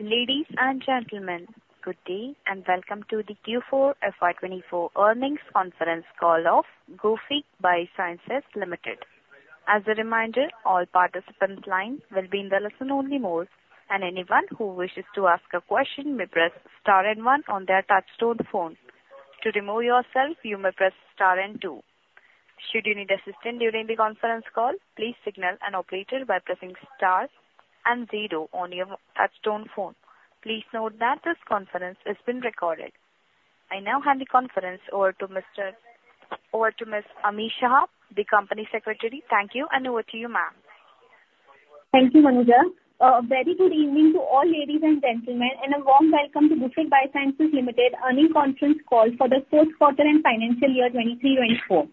Ladies and gentlemen, good day, and welcome to the Q4 FY 2024 earnings conference call of Gufic Biosciences Limited. As a reminder, all participants' lines will be in the listen-only mode, and anyone who wishes to ask a question may press star and one on their touchtone phone. To remove yourself, you may press star and two. Should you need assistance during the conference call, please signal an operator by pressing star and zero on your touchtone phone. Please note that this conference is being recorded. I now hand the conference over to Mr... Over to Ms. Ami Shah, the Company Secretary. Thank you, and over to you, ma'am. Thank you, Manuja. Very good evening to all ladies and gentlemen, and a warm welcome to Gufic Biosciences Limited Earnings Conference Call for the fourth quarter and financial year 2023-2024.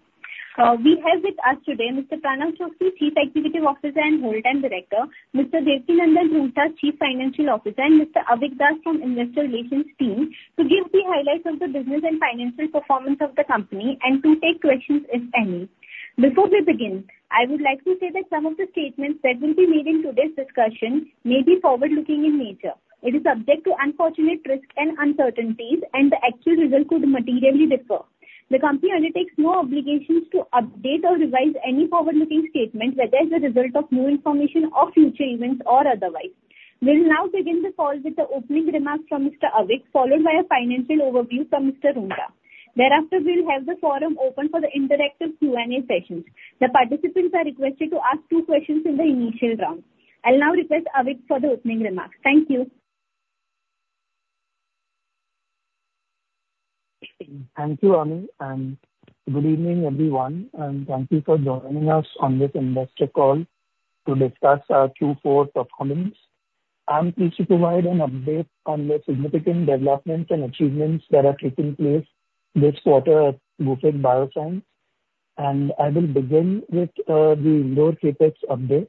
We have with us today Mr. Pranav Choksi, Chief Executive Officer and Whole Time Director, Mr. Devkinandan Roongta, Chief Financial Officer, and Mr. Avik Das from investor relations team, to give the highlights of the business and financial performance of the company, and to take questions, if any. Before we begin, I would like to say that some of the statements that will be made in today's discussion may be forward-looking in nature. It is subject to unfortunate risks and uncertainties, and the actual results could materially differ. The company undertakes no obligations to update or revise any forward-looking statements, whether as a result of new information or future events or otherwise. We'll now begin the call with the opening remarks from Mr. Avik, followed by a financial overview from Mr. Roongta. Thereafter, we'll have the floor open for the interactive Q&A sessions. The participants are requested to ask two questions in the initial round. I'll now request Avik for the opening remarks. Thank you. Thank you, Ami, and good evening, everyone, and thank you for joining us on this investor call to discuss our Q4 performance. I'm pleased to provide an update on the significant developments and achievements that are taking place this quarter at Gufic Biosciences, and I will begin with the Indore CapEx update.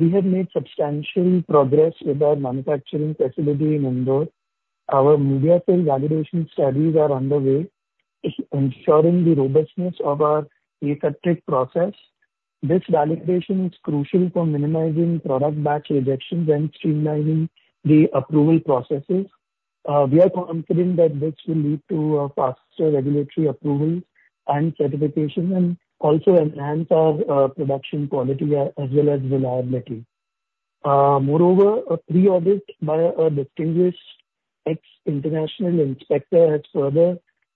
We have made substantial progress with our manufacturing facility in Indore. Our media fill validation studies are underway, ensuring the robustness of our aseptic process. This validation is crucial for minimizing product batch rejections and streamlining the approval processes. We are confident that this will lead to faster regulatory approval and certification, and also enhance our production quality as well as reliability. Moreover, a pre-audit by a distinguished ex-international inspector has further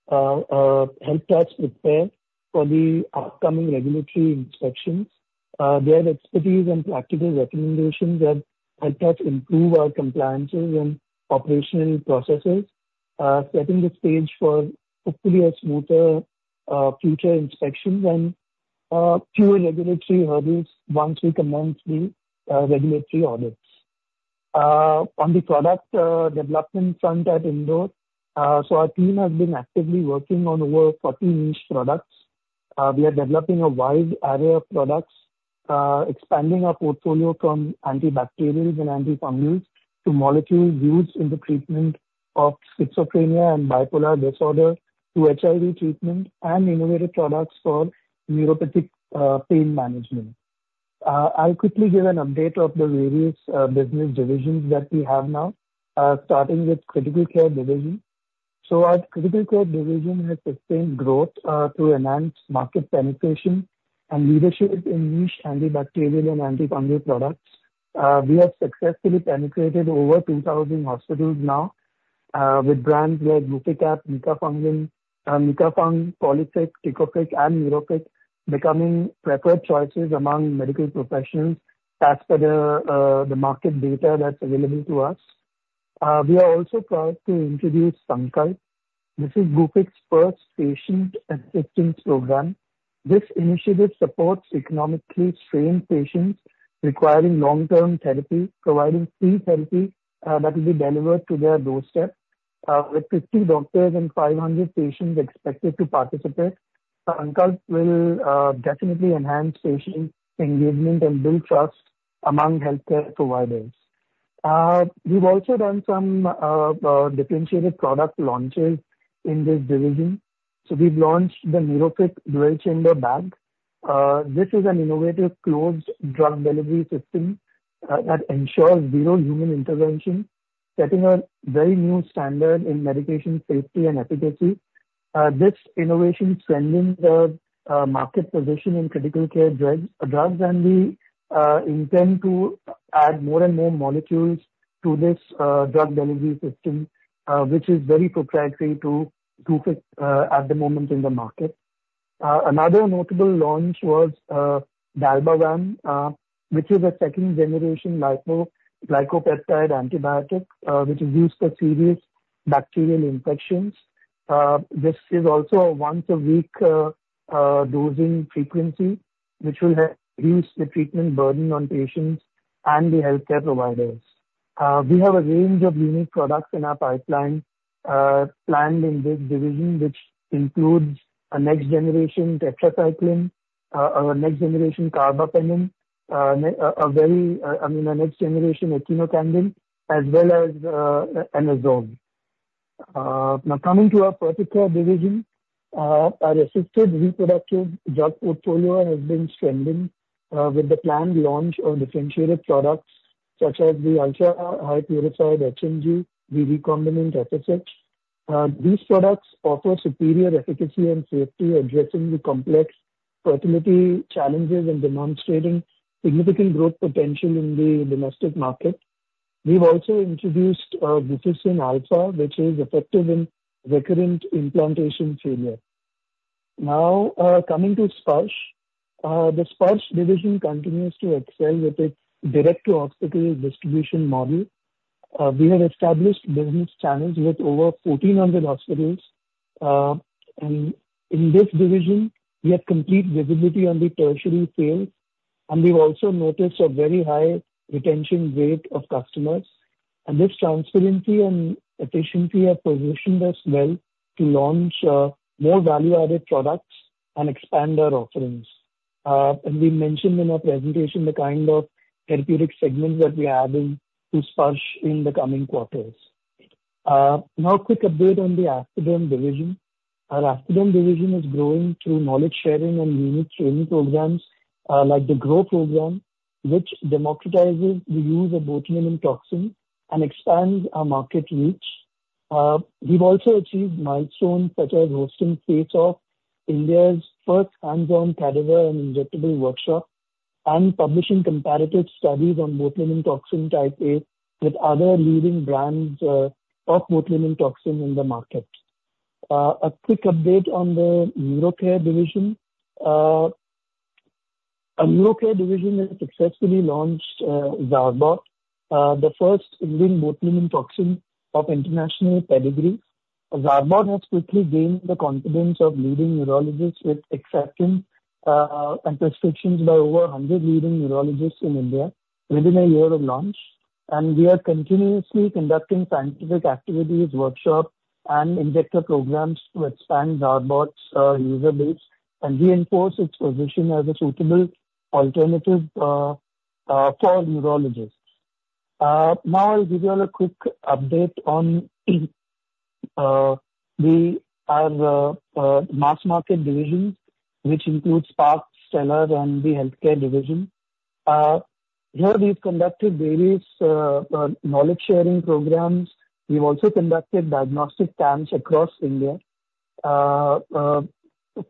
helped us prepare for the upcoming regulatory inspections. Their expertise and practical recommendations have helped us improve our compliances and operational processes, setting the stage for hopefully a smoother future inspections and fewer regulatory hurdles once we commence the regulatory audits. On the product development front at Indore, our team has been actively working on over 14 niche products. We are developing a wide array of products, expanding our portfolio from antibacterials and antifungals to molecules used in the treatment of schizophrenia and bipolar disorder, to HIV treatment and innovative products for neuropathic pain management. I'll quickly give an update of the various business divisions that we have now, starting with Critical Care division. Our Critical Care division has sustained growth through enhanced market penetration and leadership in niche antibacterial and antifungal products. We have successfully penetrated over 2,000 hospitals now, with brands like Guficap, micafungin, Micafung, Polific, Ticofic, and Nurofic becoming preferred choices among medical professionals as per the market data that's available to us. We are also proud to introduce Sankalp. This is Gufic's first patient assistance program. This initiative supports economically strained patients requiring long-term therapy, providing free therapy that will be delivered to their doorstep. With 50 doctors and 500 patients expected to participate, Sankalp will definitely enhance patient engagement and build trust among healthcare providers. We've also done some differentiated product launches in this division. So we've launched the Nurofic dual chamber bag. This is an innovative closed drug delivery system that ensures zero human intervention, setting a very new standard in medication safety and efficacy. This innovation is strengthening the market position in critical care drugs, and we intend to add more and more molecules to this drug delivery system, which is very proprietary to Gufic at the moment in the market. Another notable launch was Dalbafic, which is a second generation lipoglycopeptide antibiotic, which is used for serious bacterial infections. This is also a once a week dosing frequency, which will reduce the treatment burden on patients and the healthcare providers. We have a range of unique products in our pipeline, planned in this division, which includes a next generation tetracycline, a next generation carbapenem, a very, I mean, a next generation quinolone, as well as an azole. Now coming to our Ferticare division, our assisted reproductive drug portfolio has been strengthening, with the planned launch of differentiated products such as the ultra-high-purified HMG, the recombinant FSH. These products offer superior efficacy and safety, addressing the complex fertility challenges and demonstrating significant growth potential in the domestic market. We've also introduced, Biofolin, which is effective in recurrent implantation failure. Now, coming to Sparsh. The Sparsh division continues to excel with its direct-to-hospital distribution model. We have established business channels with over 1,400 hospitals. And in this division, we have complete visibility on the tertiary sales, and we've also noticed a very high retention rate of customers. And this transparency and efficiency have positioned us well to launch, more value-added products and expand our offerings. And we mentioned in our presentation the kind of therapeutic segments that we're adding to Sparsh in the coming quarters. Now a quick update on the Aesthederm division. Our Aesthederm division is growing through knowledge-sharing and unique training programs, like the GROW program, which democratizes the use of botulinum toxin and expands our market reach. We've also achieved milestones such as hosting face of India's first hands-on cadaver and injectable workshop, and publishing comparative studies on botulinum toxin Type A with other leading brands, of botulinum toxin in the market. A quick update on the NeuroCare division. Our NeuroCare division has successfully launched Zarbot, the first Indian botulinum toxin of international pedigree. Zarbot has quickly gained the confidence of leading neurologists, with acceptance and prescriptions by over 100 leading neurologists in India within a year of launch. And we are continuously conducting scientific activities, workshops, and injector programs to expand Zarbot's user base and reinforce its position as a suitable alternative for neurologists. Now I'll give you all a quick update on our mass market divisions, which includes Spark, Stellar, and the healthcare division. Here we've conducted various knowledge-sharing programs. We've also conducted diagnostic camps across India.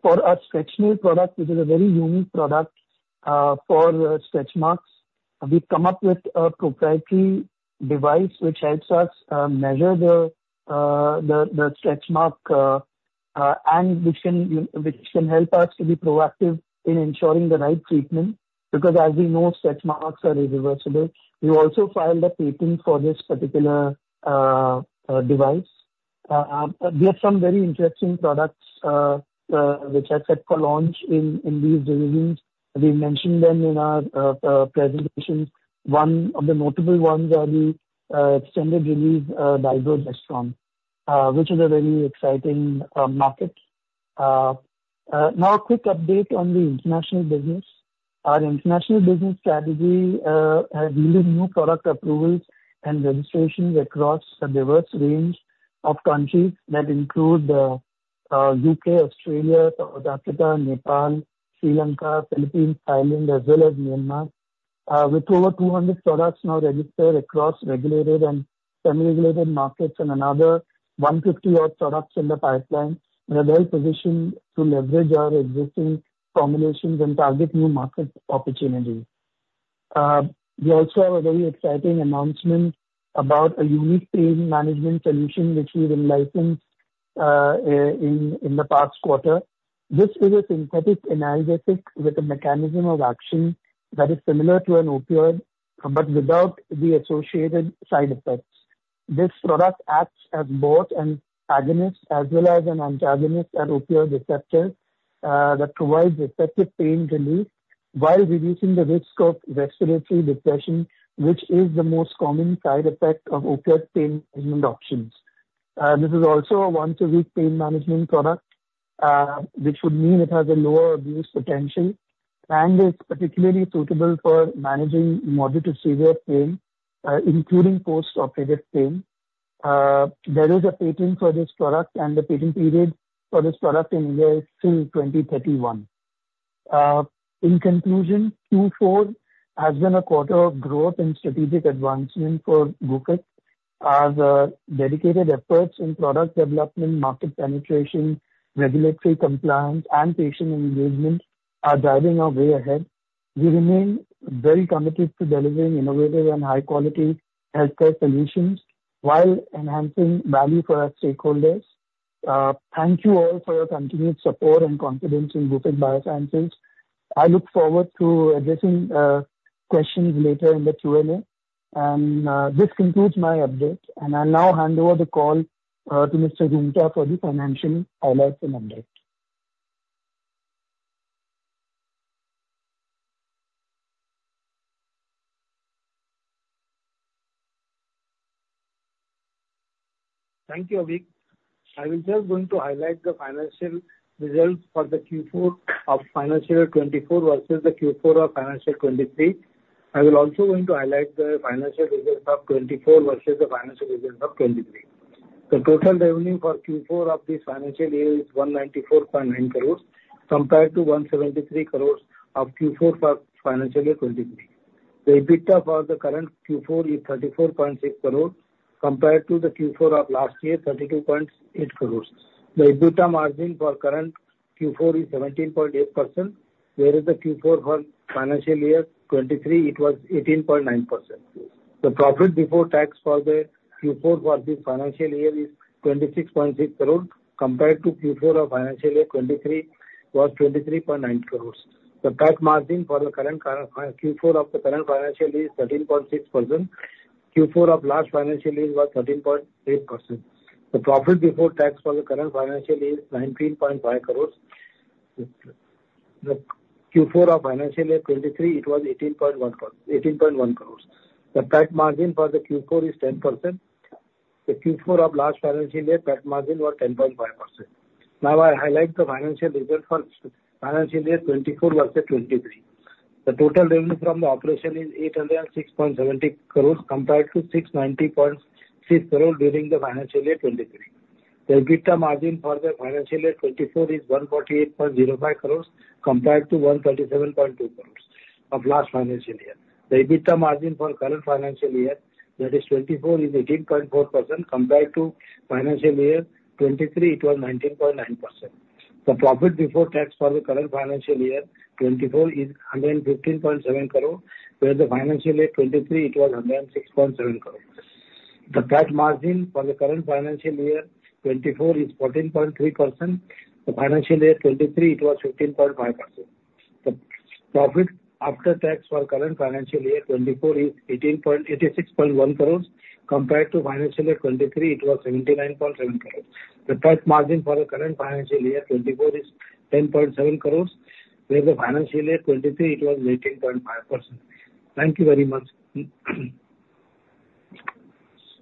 For our Stretchnil product, which is a very unique product for stretch marks, we've come up with a proprietary device which helps us measure the stretch mark and which can help us to be proactive in ensuring the right treatment, because as we know, stretch marks are irreversible. We also filed a patent for this particular device. We have some very interesting products, which are set for launch in these divisions. We mentioned them in our presentations. One of the notable ones are the extended-release diaper rash, which is a very exciting market. Now a quick update on the international business. Our international business strategy has yielded new product approvals and registrations across a diverse range of countries that include UK, Australia, South Africa, Nepal, Sri Lanka, Philippines, Thailand, as well as Myanmar. With over 200 products now registered across regulated and semi-regulated markets and another 150-odd products in the pipeline, we are well positioned to leverage our existing formulations and target new market opportunities. We also have a very exciting announcement about a unique pain management solution, which we've been licensed in the past quarter. This is a synthetic analgesic with a mechanism of action that is similar to an opioid, but without the associated side effects. This product acts as both an agonist as well as an antagonist and opioid receptor that provides effective pain relief while reducing the risk of respiratory depression, which is the most common side effect of opioid pain management options. This is also a once-a-week pain management product, which would mean it has a lower abuse potential and is particularly suitable for managing moderate to severe pain, including post-operative pain. There is a patent for this product, and the patent period for this product in India is till 2031. In conclusion, Q4 has been a quarter of growth and strategic advancement for Gufic. Our dedicated efforts in product development, market penetration, regulatory compliance, and patient engagement are driving our way ahead. We remain very committed to delivering innovative and high-quality healthcare solutions while enhancing value for our stakeholders. Thank you all for your continued support and confidence in Gufic Biosciences. I look forward to addressing questions later in the Q&A. This concludes my update, and I'll now hand over the call to Mr. Roongta for the financial highlights and updates. Thank you, Avik. I was just going to highlight the financial results for the Q4 of financial year 2024 versus the Q4 of financial 2023. I will also going to highlight the financial results of 2024 versus the financial results of 2023. The total revenue for Q4 of this financial year is 194.9 crore, compared to 173 crore of Q4 for financial year 2023. The EBITDA for the current Q4 is 34.6 crore, compared to the Q4 of last year, 32.8 crore. The EBITDA margin for current Q4 is 17.8%, whereas the Q4 for financial year 2023, it was 18.9%. The profit before tax for the Q4 for this financial year is 26.6 crore, compared to Q4 of financial year 2023, was 23.9 crore. The tax margin for the current Q4 of the current financial year is 13.6%. Q4 of last financial year was 13.8%. The profit before tax for the current financial year, 19.5 crore. The Q4 of financial year 2023, it was 18.1 crore, 18.1 crore. The tax margin for the Q4 is 10%. The Q4 of last financial year, tax margin was 10.5%. Now, I highlight the financial results for financial year 2024 versus 2023. The total revenue from the operation is 806.70 crore, compared to 690.6 crore during the financial year 2023. The EBITDA margin for the financial year 2024 is 148.05 crore, compared to 137.2 crore of last financial year. The EBITDA margin for current financial year, that is 2024, is 18.4%, compared to financial year 2023, it was 19.9%. The profit before tax for the current financial year, 2024, is 115.7 crore, where the financial year 2023, it was 106.7 crore. The tax margin for the current financial year, 2024, is 14.3%. The financial year 2023, it was 15.5%. The profit after tax for current financial year, 2024, is eighty-six point one crore, compared to financial year 2023, it was 79.7 crore. The tax margin for the current financial year, 2024, is INR 10.7 crore, where the financial year 2023, it was 18.5%. Thank you very much.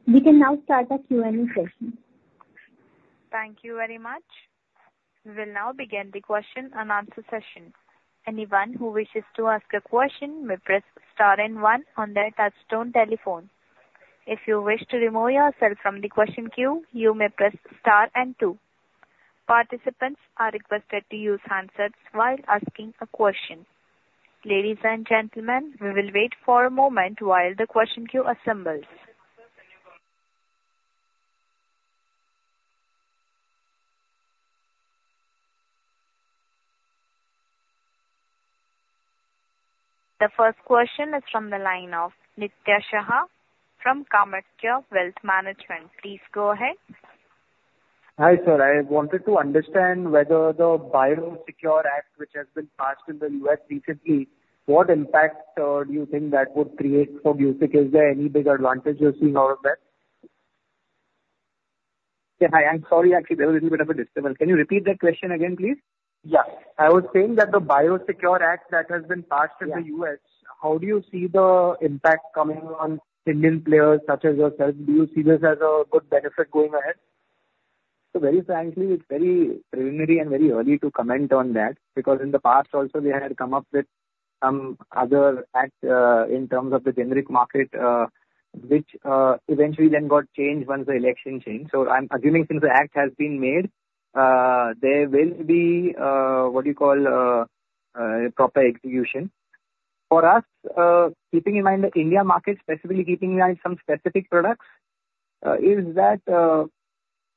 We can now start the Q&A session. Thank you very much. We will now begin the question and answer session. Anyone who wishes to ask a question, may press star and one on their touchtone telephone. If you wish to remove yourself from the question queue, you may press star and two. Participants are requested to use handsets while asking a question. Ladies and gentlemen, we will wait for a moment while the question queue assembles. The first question is from the line of Nitya Shah from KamayaKya Wealth Management. Please go ahead. Hi, sir. I wanted to understand whether the BioSecure Act, which has been passed in the U.S. recently, what impact, do you think that would create for Gufic? Is there any big advantage you're seeing out of that? Yeah, hi. I'm sorry, actually, there was a little bit of a disturbance. Can you repeat that question again, please? Yeah. I was saying that the BioSecure Act that has been passed in the U.S.- Yeah. How do you see the impact coming on Indian players such as yourself? Do you see this as a good benefit going ahead? So very frankly, it's very preliminary and very early to comment on that, because in the past also, we had come up with some other act, in terms of the generic market, which, eventually then got changed once the election changed. So I'm assuming since the act has been made, there will be, what do you call, a proper execution. For us, keeping in mind the India market, specifically keeping in mind some specific products, is that,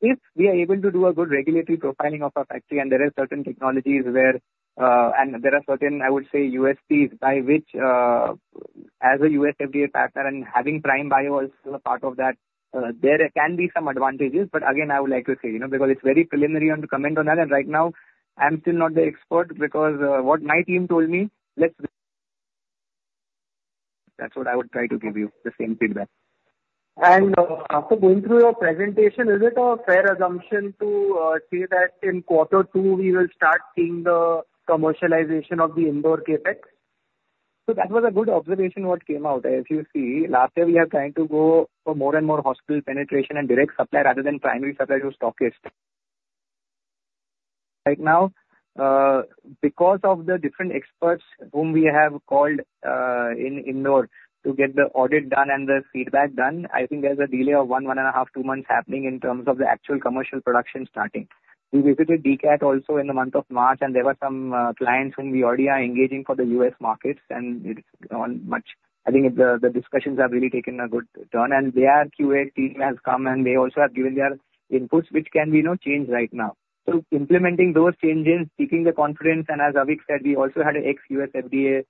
if we are able to do a good regulatory profiling of our factory, and there are certain technologies where, and there are certain, I would say, USPs by which, as a U.S. FDA factor and having Prime Bio also a part of that, there can be some advantages. But again, I would like to say, you know, because it's very preliminary and to comment on that, and right now, I'm still not the expert because what my team told me, let's... That's what I would try to give you, the same feedback. After going through your presentation, is it a fair assumption to say that in quarter two, we will start seeing the commercialization of the Indore CapEx? So that was a good observation what came out. As you see, last year, we are trying to go for more and more hospital penetration and direct supply rather than primary supply to stockists. Right now, because of the different experts whom we have called, in Indore to get the audit done and the feedback done, I think there's a delay of one, 1.5, two months happening in terms of the actual commercial production starting. We visited DCAT also in the month of March, and there were some, clients whom we already are engaging for the U.S. markets, and it's gone much. I think the, the discussions have really taken a good turn, and their QA team has come, and they also have given their inputs, which can be not changed right now. So implementing those changes, keeping the confidence, and as Avik said, we also had an ex-U.S. FDA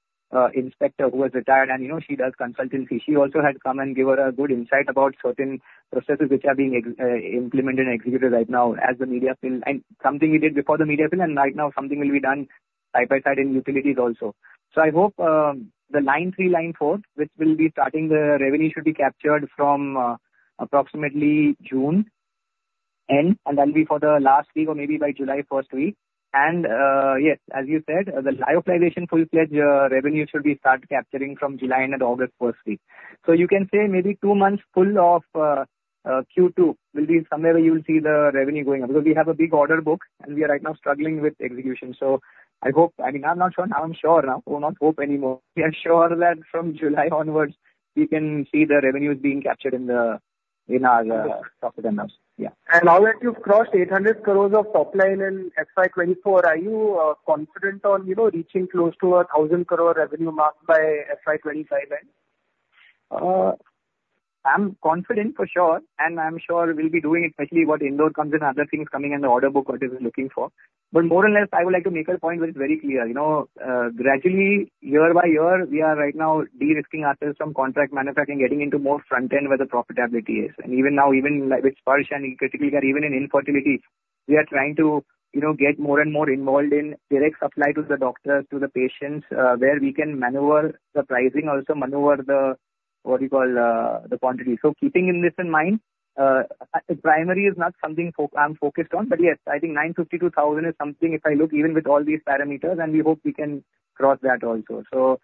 inspector who has retired, and, you know, she does consultancy. She also had come and give us a good insight about certain processes which are being implemented and executed right now in the media fill. And something we did before the media fill, and right now something will be done side by side in utilities also. So I hope, the line three, line four, which will be starting the revenue, should be captured from approximately June.... that'll be for the last week or maybe by July first week. Yes, as you said, the lyophilization full-fledged revenue should be start capturing from July and August first week. So you can say maybe two months full of Q2 will be somewhere where you will see the revenue going up. Because we have a big order book, and we are right now struggling with execution. So I hope, I mean, I'm not sure, now I'm sure now, so not hope anymore. We are sure that from July onwards, we can see the revenues being captured in the, in our profit and loss. Yeah. Now that you've crossed 800 crore of top line in FY 2024, are you confident on, you know, reaching close to 1,000 crore revenue mark by FY 2025 end? I'm confident for sure, and I'm sure we'll be doing it, especially what Indore comes in, other things coming in the order book what is looking for. But more or less, I would like to make a point that is very clear. You know, gradually, year by year, we are right now de-risking ourselves from contract manufacturing, getting into more front-end where the profitability is. And even now, even with Sparsh and Criticare, we are even in infertility, we are trying to, you know, get more and more involved in direct supply to the doctors, to the patients, where we can maneuver the pricing, also maneuver the, what you call, the quantity. Keeping this in mind, primary is not something I'm focused on, but yes, I think 950 crore-1,000 crore is something, if I look even with all these parameters, and we hope we can cross that also.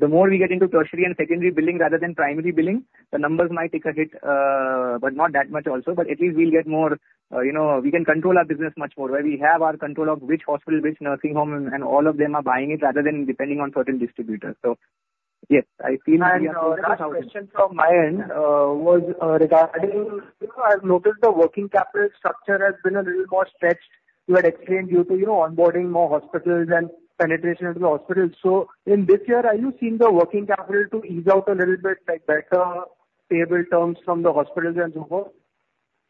The more we get into tertiary and secondary billing rather than primary billing, the numbers might take a hit, but not that much also. But at least we'll get more, you know, we can control our business much more, where we have our control of which hospital, which nursing home, and all of them are buying it, rather than depending on certain distributors. So yes, I feel we are close to 1,000. And last question from my end, was, regarding, you know, I've noticed the working capital structure has been a little more stretched. You had explained due to, you know, onboarding more hospitals and penetration into the hospital. So in this year, are you seeing the working capital to ease out a little bit, like better payable terms from the hospitals and so forth?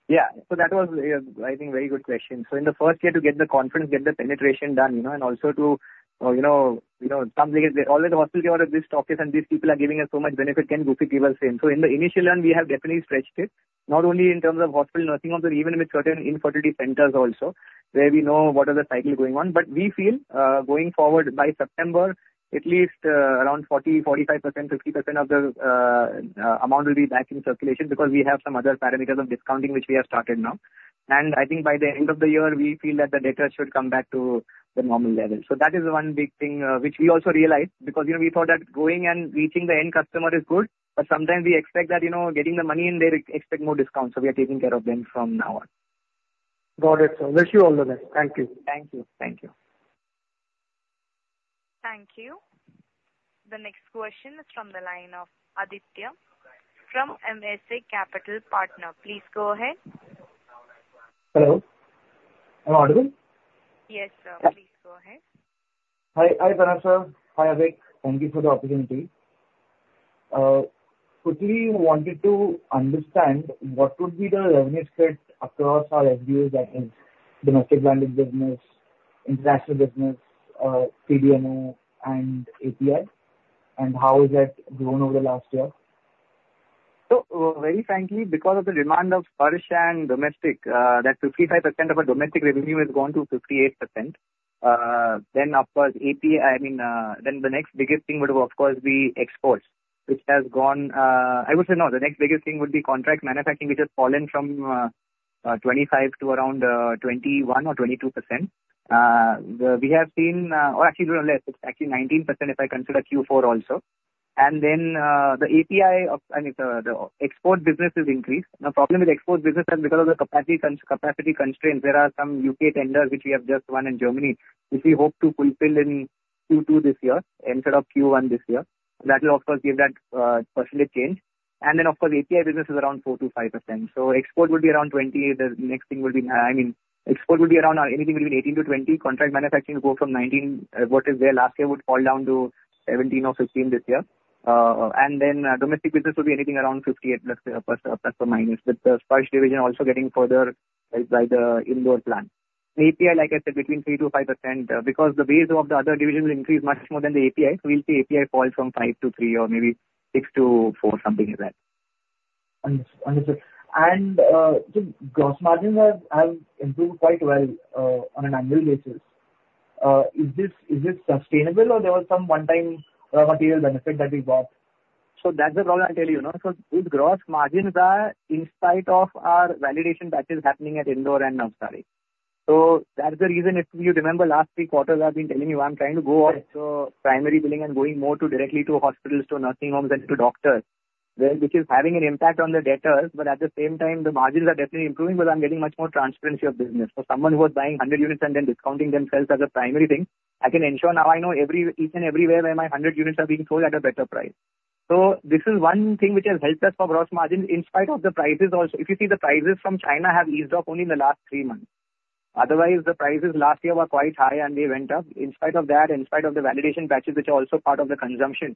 Yeah. So that was a, I think, very good question. So in the first year, to get the confidence, get the penetration done, you know, and also to, you know, something is there. All the hospitals, these doctors and these people are giving us so much benefit, can Gufic give us same? So in the initial run, we have definitely stretched it, not only in terms of hospitals, nursing homes, but even with certain infertility centers also, where we know what are the cycles going on. But we feel, going forward, by September, at least, around 40%, 45%, 50% of the amount will be back in circulation because we have some other parameters of discounting which we have started now. And I think by the end of the year, we feel that the data should come back to the normal level. So that is the one big thing, which we also realized, because, you know, we thought that going and reaching the end customer is good, but sometimes we expect that, you know, getting the money and they expect more discounts, so we are taking care of them from now on. Got it, sir. Wish you all the best. Thank you. Thank you. Thank you. Thank you. The next question is from the line of Aditya from MSA Capital Partners. Please go ahead. Hello, am I audible? Yes, sir. Please go ahead. Hi. Hi, Pranav sir. Hi, Avik. Thank you for the opportunity. Quickly, wanted to understand what would be the revenue split across our SBUs, that is, domestic branded business, international business, CDMO and API, and how has that grown over the last year? So, very frankly, because of the demand of Sparsh and domestic, that 55% of our domestic revenue has grown to 58%. Then of course, API, I mean, then the next biggest thing would of course be exports, which has gone. I would say no, the next biggest thing would be contract manufacturing, which has fallen from 25 to around 21% or 22%. We have seen, or actually little less, it's actually 19% if I consider Q4 also. And then, the API and it's the export business has increased. The problem with export business is because of the capacity cons, capacity constraints. There are some U.K. tenders which we have just won in Germany, which we hope to fulfill in Q2 this year instead of Q1 this year. That will of course give that percentage change. And then, of course, API business is around 4%-5%. So export would be around 20%. The next thing will be, I mean, export would be around anything between 18%-20%. Contract manufacturing will go from 19%, what is there last year would fall down to 17% or 16% this year. And then, domestic business will be anything around 58%±, with the Sparsh division also getting further helped by the Indore plant. The API, like I said, between 3%-5%, because the base of the other division will increase much more than the API. So we'll see API fall from 5% to 3% or maybe 6% to 4%, something like that. Understood. The gross margins have improved quite well on an annual basis. Is this sustainable or there was some one-time material benefit that we got? So that's the problem, I'll tell you, you know. So with gross margins are in spite of our validation that is happening at Indore and Navsari. So that's the reason, if you remember, last three quarters, I've been telling you I'm trying to go off the primary billing and going more to directly to hospitals, to nursing homes and to doctors, where which is having an impact on the debtors, but at the same time, the margins are definitely improving because I'm getting much more transparency of business. So someone who is buying 100 units and then discounting themselves as a primary thing, I can ensure now I know every, each and everywhere, where my 100 units are being sold at a better price. So this is one thing which has helped us for gross margins, in spite of the prices also. If you see, the prices from China have eased off only in the last three months. Otherwise, the prices last year were quite high and they went up. In spite of that, in spite of the validation batches, which are also part of the consumption,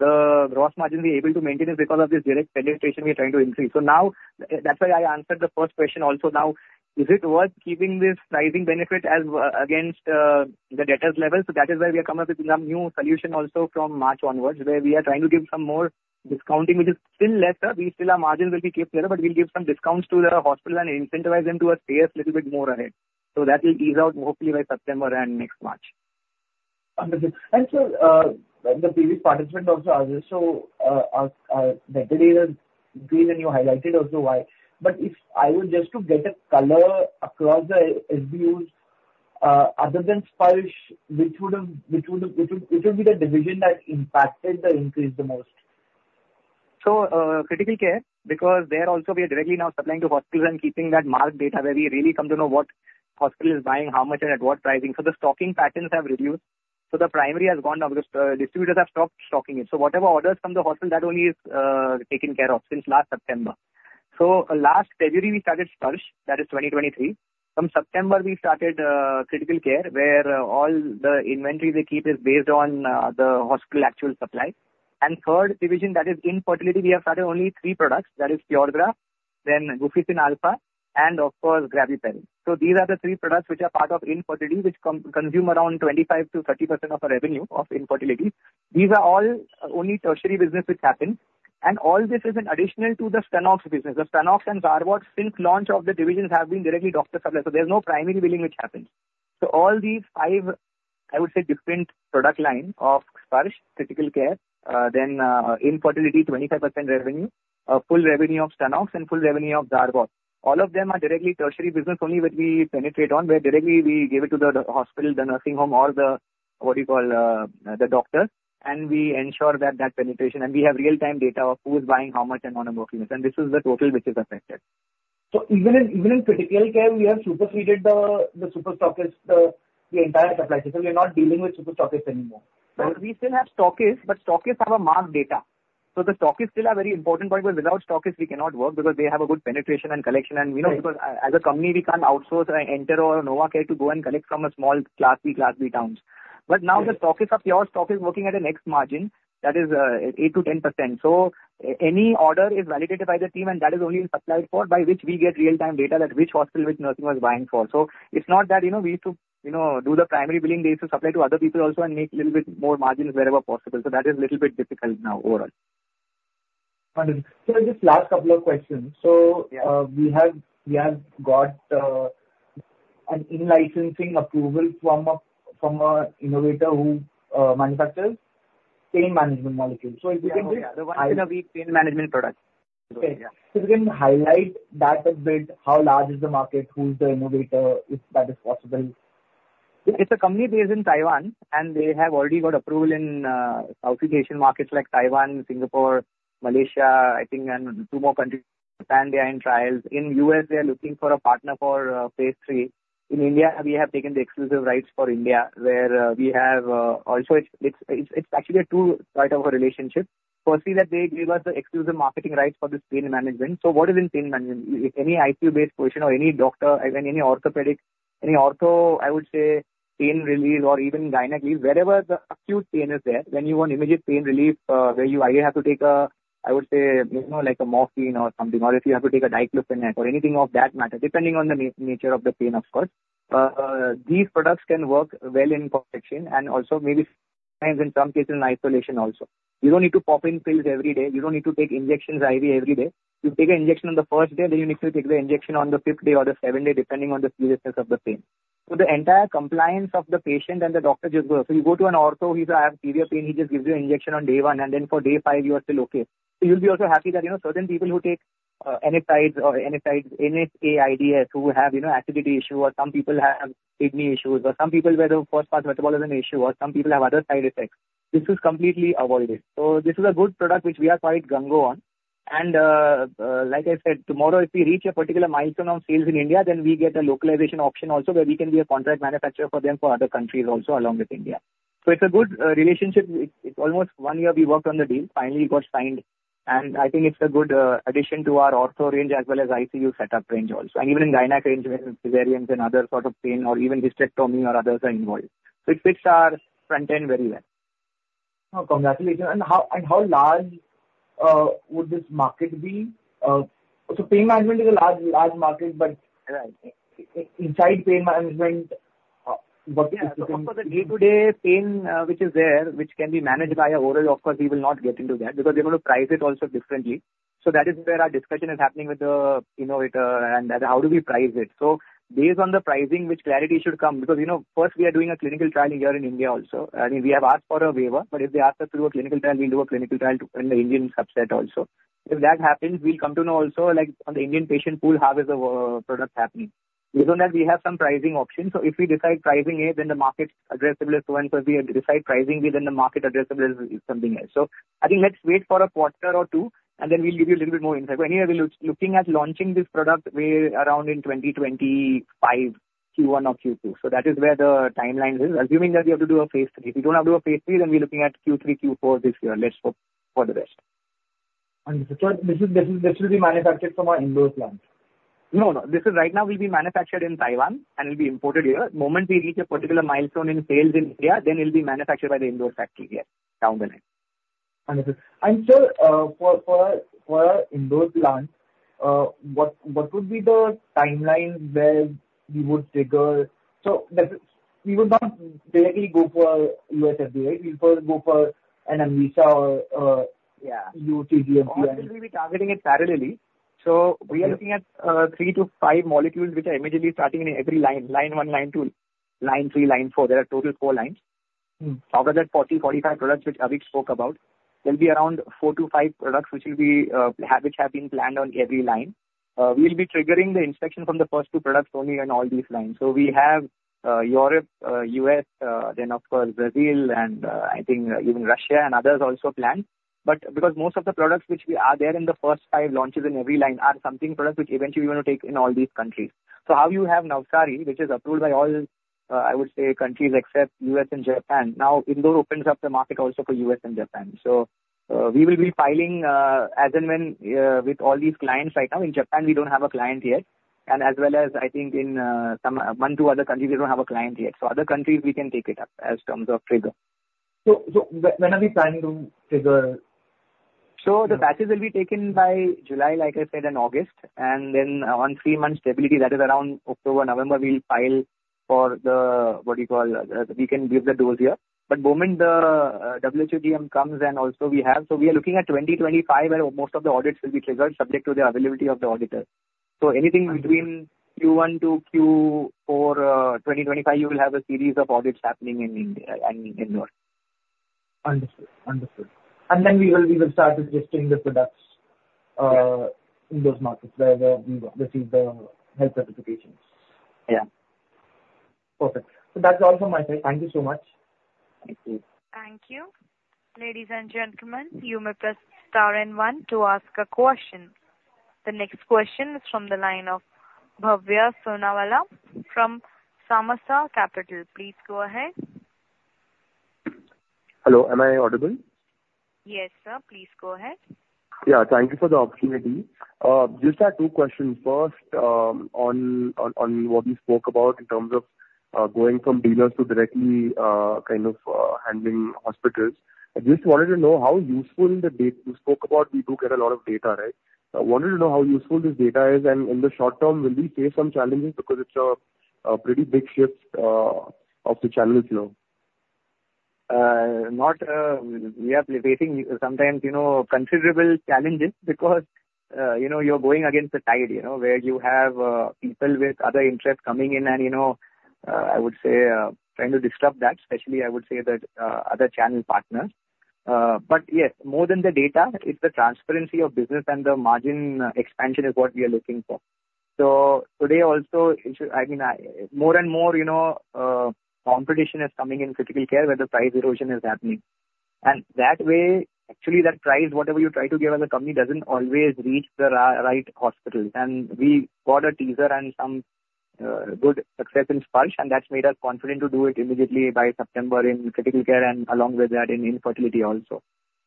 the gross margins we're able to maintain is because of this direct penetration we are trying to increase. So now, that's why I answered the first question also now: Is it worth keeping this pricing benefit as against, the debtors level? So that is why we have come up with some new solution also from March onwards, where we are trying to give some more discounting, which is still less. We still our margins will be kept lower, but we'll give some discounts to the hospital and incentivize them to pay us little bit more ahead. That will ease out hopefully by September and next March. ...Understood. The previous participant also asked, the data that you highlighted also why, but if I would just to get a color across the SBUs, other than Sparsh, which would be the division that impacted the increase the most? So, critical care, because there also we are directly now supplying to hospitals and keeping that market data where we really come to know what hospital is buying, how much, and at what pricing. So the stocking patterns have reduced, so the primary has gone down because distributors have stopped stocking it. So whatever orders from the hospital, that only is taken care of since last September. So last February, we started Sparsh, that is 2023. From September, we started critical care, where all the inventory they keep is based on the hospital actual supply. And third division, that is infertility, we have started only three products, that is Puregraf, then Gonal-f, and of course, Graviparin. So these are the three products which are part of infertility, which consume around 25%-30% of our revenue of infertility. These are all only tertiary business which happened, and all this is an addition to the Stunnox business. The Stunnox and Zarbot, since launch of the divisions, have been directly doctor supplied, so there's no primary billing which happens. So all these five, I would say, different product line of Sparsh, critical care, then, infertility, 25% revenue, full revenue of Stunnox, and full revenue of Zarbot. All of them are directly tertiary business only, which we penetrate on, where directly we give it to the hospital, the nursing home, or what you call the doctors. And we ensure that penetration, and we have real-time data of who is buying how much and what number of units, and this is the total which is affected. So even in critical care, we have superseded the super stockists, the entire supply system. We are not dealing with super stockists anymore. We still have stockists, but stockists have market data. So the stockists still are very important point, where without stockists we cannot work, because they have a good penetration and collection. Right. You know, because as a company, we can't outsource or enter or NovaCare to go and collect from a small Class B towns. But now the stockists are pure stockists working at a net margin, that is, 8%-10%. So any order is validated by the team, and that is only then supplied for, by which we get real-time data that which hospital, which nursing home was buying for. So it's not that, you know, we need to, you know, do the primary billing to supply to other people also and make little bit more margins wherever possible. So that is little bit difficult now overall. Understood. So just last couple of questions. Yeah. So, we have got an in-licensing approval from a innovator who manufactures pain management molecules. So if you can just- Yeah, the once a week pain management product. Okay. Yeah. So you can highlight that a bit. How large is the market? Who is the innovator, if that is possible? It's a company based in Taiwan, and they have already got approval in Southeast Asian markets like Taiwan, Singapore, Malaysia, I think, and two more countries, Japan, they are in trials. In the U.S., they are looking for a partner for phase III. In India, we have taken the exclusive rights for India, where we have also it's actually a two-sided relationship. Firstly, that they gave us the exclusive marketing rights for this pain management. So what is in pain management? Any ICU-based patient or any doctor and any orthopedic, any ortho, I would say, pain relief or even gynecology, wherever the acute pain is there, when you want immediate pain relief, where you either have to take a, I would say, you know, like a morphine or something, or if you have to take a diclofenac or anything of that matter, depending on the nature of the pain, of course. These products can work well in conjunction and also maybe in some cases, in isolation also. You don't need to pop in pills every day. You don't need to take injections IV every day. You take an injection on the first day, then you need to take the injection on the fifth day or the seventh day, depending on the seriousness of the pain. So the entire compliance of the patient and the doctor just go. So you go to an ortho, he say, "I have severe pain," he just gives you an injection on day one, and then for day five, you are still okay. So you'll be also happy that, you know, certain people who take, NSAIDs or NSAIDs, N-S-A-I-D-S, who have, you know, acidity issue, or some people have kidney issues, or some people where the first part metabolism issue, or some people have other side effects. This is completely avoided. So this is a good product which we are quite gung-ho on. And, like I said, tomorrow, if we reach a particular milestone of sales in India, then we get a localization option also, where we can be a contract manufacturer for them, for other countries also along with India. So it's a good relationship. It's almost one year we worked on the deal, finally it got signed, and I think it's a good addition to our ortho range as well as ICU setup range also. And even in gyneco range, where cesareans and other sort of pain or even hysterectomy or others are involved. So it fits our front end very well. Oh, congratulations! And how, and how large would this market be? So pain management is a large, large market, but- Right. Inside pain management, what- Yeah, so of course, the day-to-day pain, which is there, which can be managed by oral, of course, we will not get into that, because we're going to price it also differently. So that is where our discussion is happening with the innovator, and as how do we price it? So based on the pricing, which clarity should come, because, you know, first we are doing a clinical trial here in India also. I mean, we have asked for a waiver, but if they ask us to do a clinical trial, we'll do a clinical trial in the Indian subset also. If that happens, we'll come to know also, like, on the Indian patient pool, how is the, product happening. Based on that, we have some pricing options. So if we decide pricing A, then the market addressable is so and so. If we decide pricing B, then the market addressable is, is something else. So I think let's wait for a quarter or two, and then we'll give you a little bit more insight. But anyway, we're looking at launching this product way around in 2025, Q1 or Q2. So that is where the timelines is, assuming that we have to do a phase III. If we don't have to do a phase III, then we're looking at Q3, Q4 this year. Let's hope for the best. Understood. So this will be manufactured from our Indore plant? No, no, this, right now, will be manufactured in Taiwan and will be imported here. Moment we reach a particular milestone in sales in India, then it'll be manufactured by the Indore factory, yes, down the line. Understood. And sir, for our Indore plant, what would be the timeline where we would trigger... So that we would not directly go for U.S. FDA, we'll first go for an ANVISA or- Yeah. EU GMP- Also, we'll be targeting it parallelly. So we are looking at 3-5 molecules which are immediately starting in every line. Line one, line two, line three, line four. There are total four lines. Mm-hmm. Out of that 40-45 products, which Avik spoke about, there'll be around four to five products which will be, have, which have been planned on every line. We'll be triggering the inspection from the first two products only on all these lines. So we have, Europe, U.S., then of course, Brazil and, I think even Russia and others also planned. But because most of the products which we are there in the first five launches in every line are something products which eventually we want to take in all these countries. So how you have Navsari, which is approved by all, I would say countries except U.S. and Japan, now Indore opens up the market also for U.S. and Japan. So, we will be filing, as and when, with all these clients right now. In Japan, we don't have a client yet, and as well as I think in some one, two other countries, we don't have a client yet. So other countries we can take it up as terms of trigger. So, when are we planning to trigger? So the batches will be taken by July, like I said, and August, and then on three months stability, that is around October, November, we'll file for the, what you call, we can give the doors here. But the moment the WHO GMP comes and also we have... So we are looking at 2025, where most of the audits will be triggered subject to the availability of the auditor. So anything between Q1 to Q4, 2025, you will have a series of audits happening in India and in Europe. Understood. Understood. And then we will, we will start registering the products. Yes. in those markets, where they receive the health certifications. Yeah. Perfect. So that's all from my side. Thank you so much. Thank you. Thank you. Ladies and gentlemen, you may press star and one to ask a question. The next question is from the line of Bhavya Sonawala from Samaasa Capital. Please go ahead. Hello, am I audible? Yes, sir. Please go ahead. Yeah, thank you for the opportunity. Just had two questions. First, on what we spoke about in terms of going from dealers to directly kind of handling hospitals. I just wanted to know how useful the data, you spoke about we do get a lot of data, right? I wanted to know how useful this data is, and in the short term, will we face some challenges because it's a pretty big shift of the channels, you know? We are facing sometimes, you know, considerable challenges because, you know, you're going against the tide, you know, where you have people with other interests coming in and, you know, I would say trying to disrupt that, especially I would say that other channel partners. But yes, more than the data, it's the transparency of business and the margin expansion is what we are looking for. So today also, it's, I mean, I, more and more, you know, competition is coming in critical care, where the price erosion is happening. And that way, actually, that price, whatever you try to give as a company, doesn't always reach the right hospital. We got a teaser and some good success in Sparsh, and that's made us confident to do it immediately by September in critical care and along with that, in infertility also.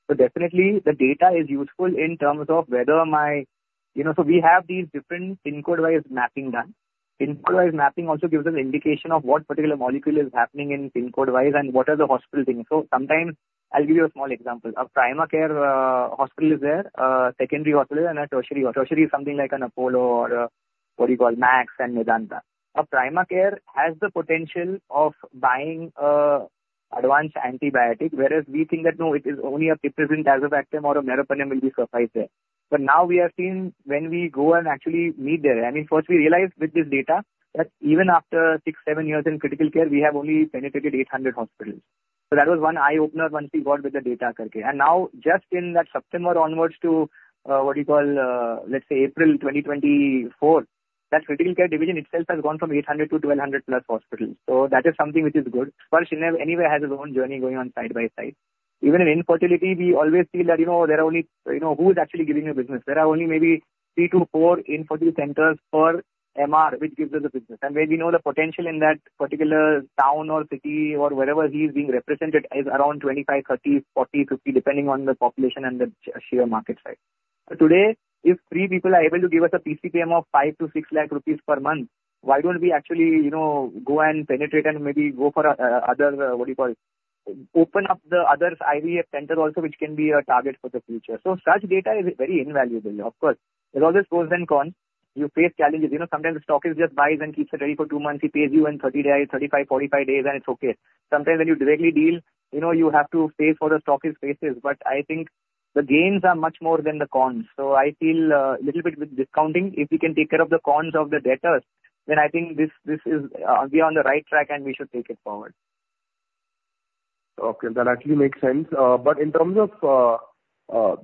So definitely the data is useful in terms of whether my... You know, so we have these different PIN code-wise mapping done. PIN code-wise mapping also gives us indication of what particular molecule is happening in PIN code-wise, and what are the hospital things. So sometimes, I'll give you a small example. A primary care hospital is there, a secondary hospital and a tertiary. Tertiary is something like an Apollo or what you call, Max and Medanta. A primary care has the potential of buying advanced antibiotic, whereas we think that, no, it is only a piperacillin-tazobactam or a meropenem will be suffice there. But now we have seen when we go and actually meet there, I mean, first we realized with this data that even after six to seven years in critical care, we have only penetrated 800 hospitals. So that was one eye-opener once we got with the data karke. And now, just in that September onwards to, what you call, let's say April 2024, that critical care division itself has gone from 800 to 1,200+ hospitals. So that is something which is good. Sparsh anyway has its own journey going on side by side. Even in infertility, we always feel that, you know, there are only, you know, who is actually giving you business? There are only maybe three to four infertility centers per MR, which gives us the business. Where we know the potential in that particular town or city or wherever he is being represented is around 25, 30, 40, 50, depending on the population and the sheer market size. So today, if three people are able to give us a PCPM ofINR 5 lakh-INR 6 lakh per month, why don't we actually, you know, go and penetrate and maybe go for other, what you call, open up the other IVF center also, which can be a target for the future. So such data is very invaluable. Of course, there's always pros and cons. You face challenges. You know, sometimes the stockist just buys and keeps it ready for 2 months. He pays you in 30 days, 35, 45 days, and it's okay. Sometimes when you directly deal, you know, you have to pay for the stockist spaces, but I think the gains are much more than the cons. So I feel, little bit with discounting. If we can take care of the cons of the debtors, then I think this is, we are on the right track and we should take it forward. Okay, that actually makes sense. But in terms of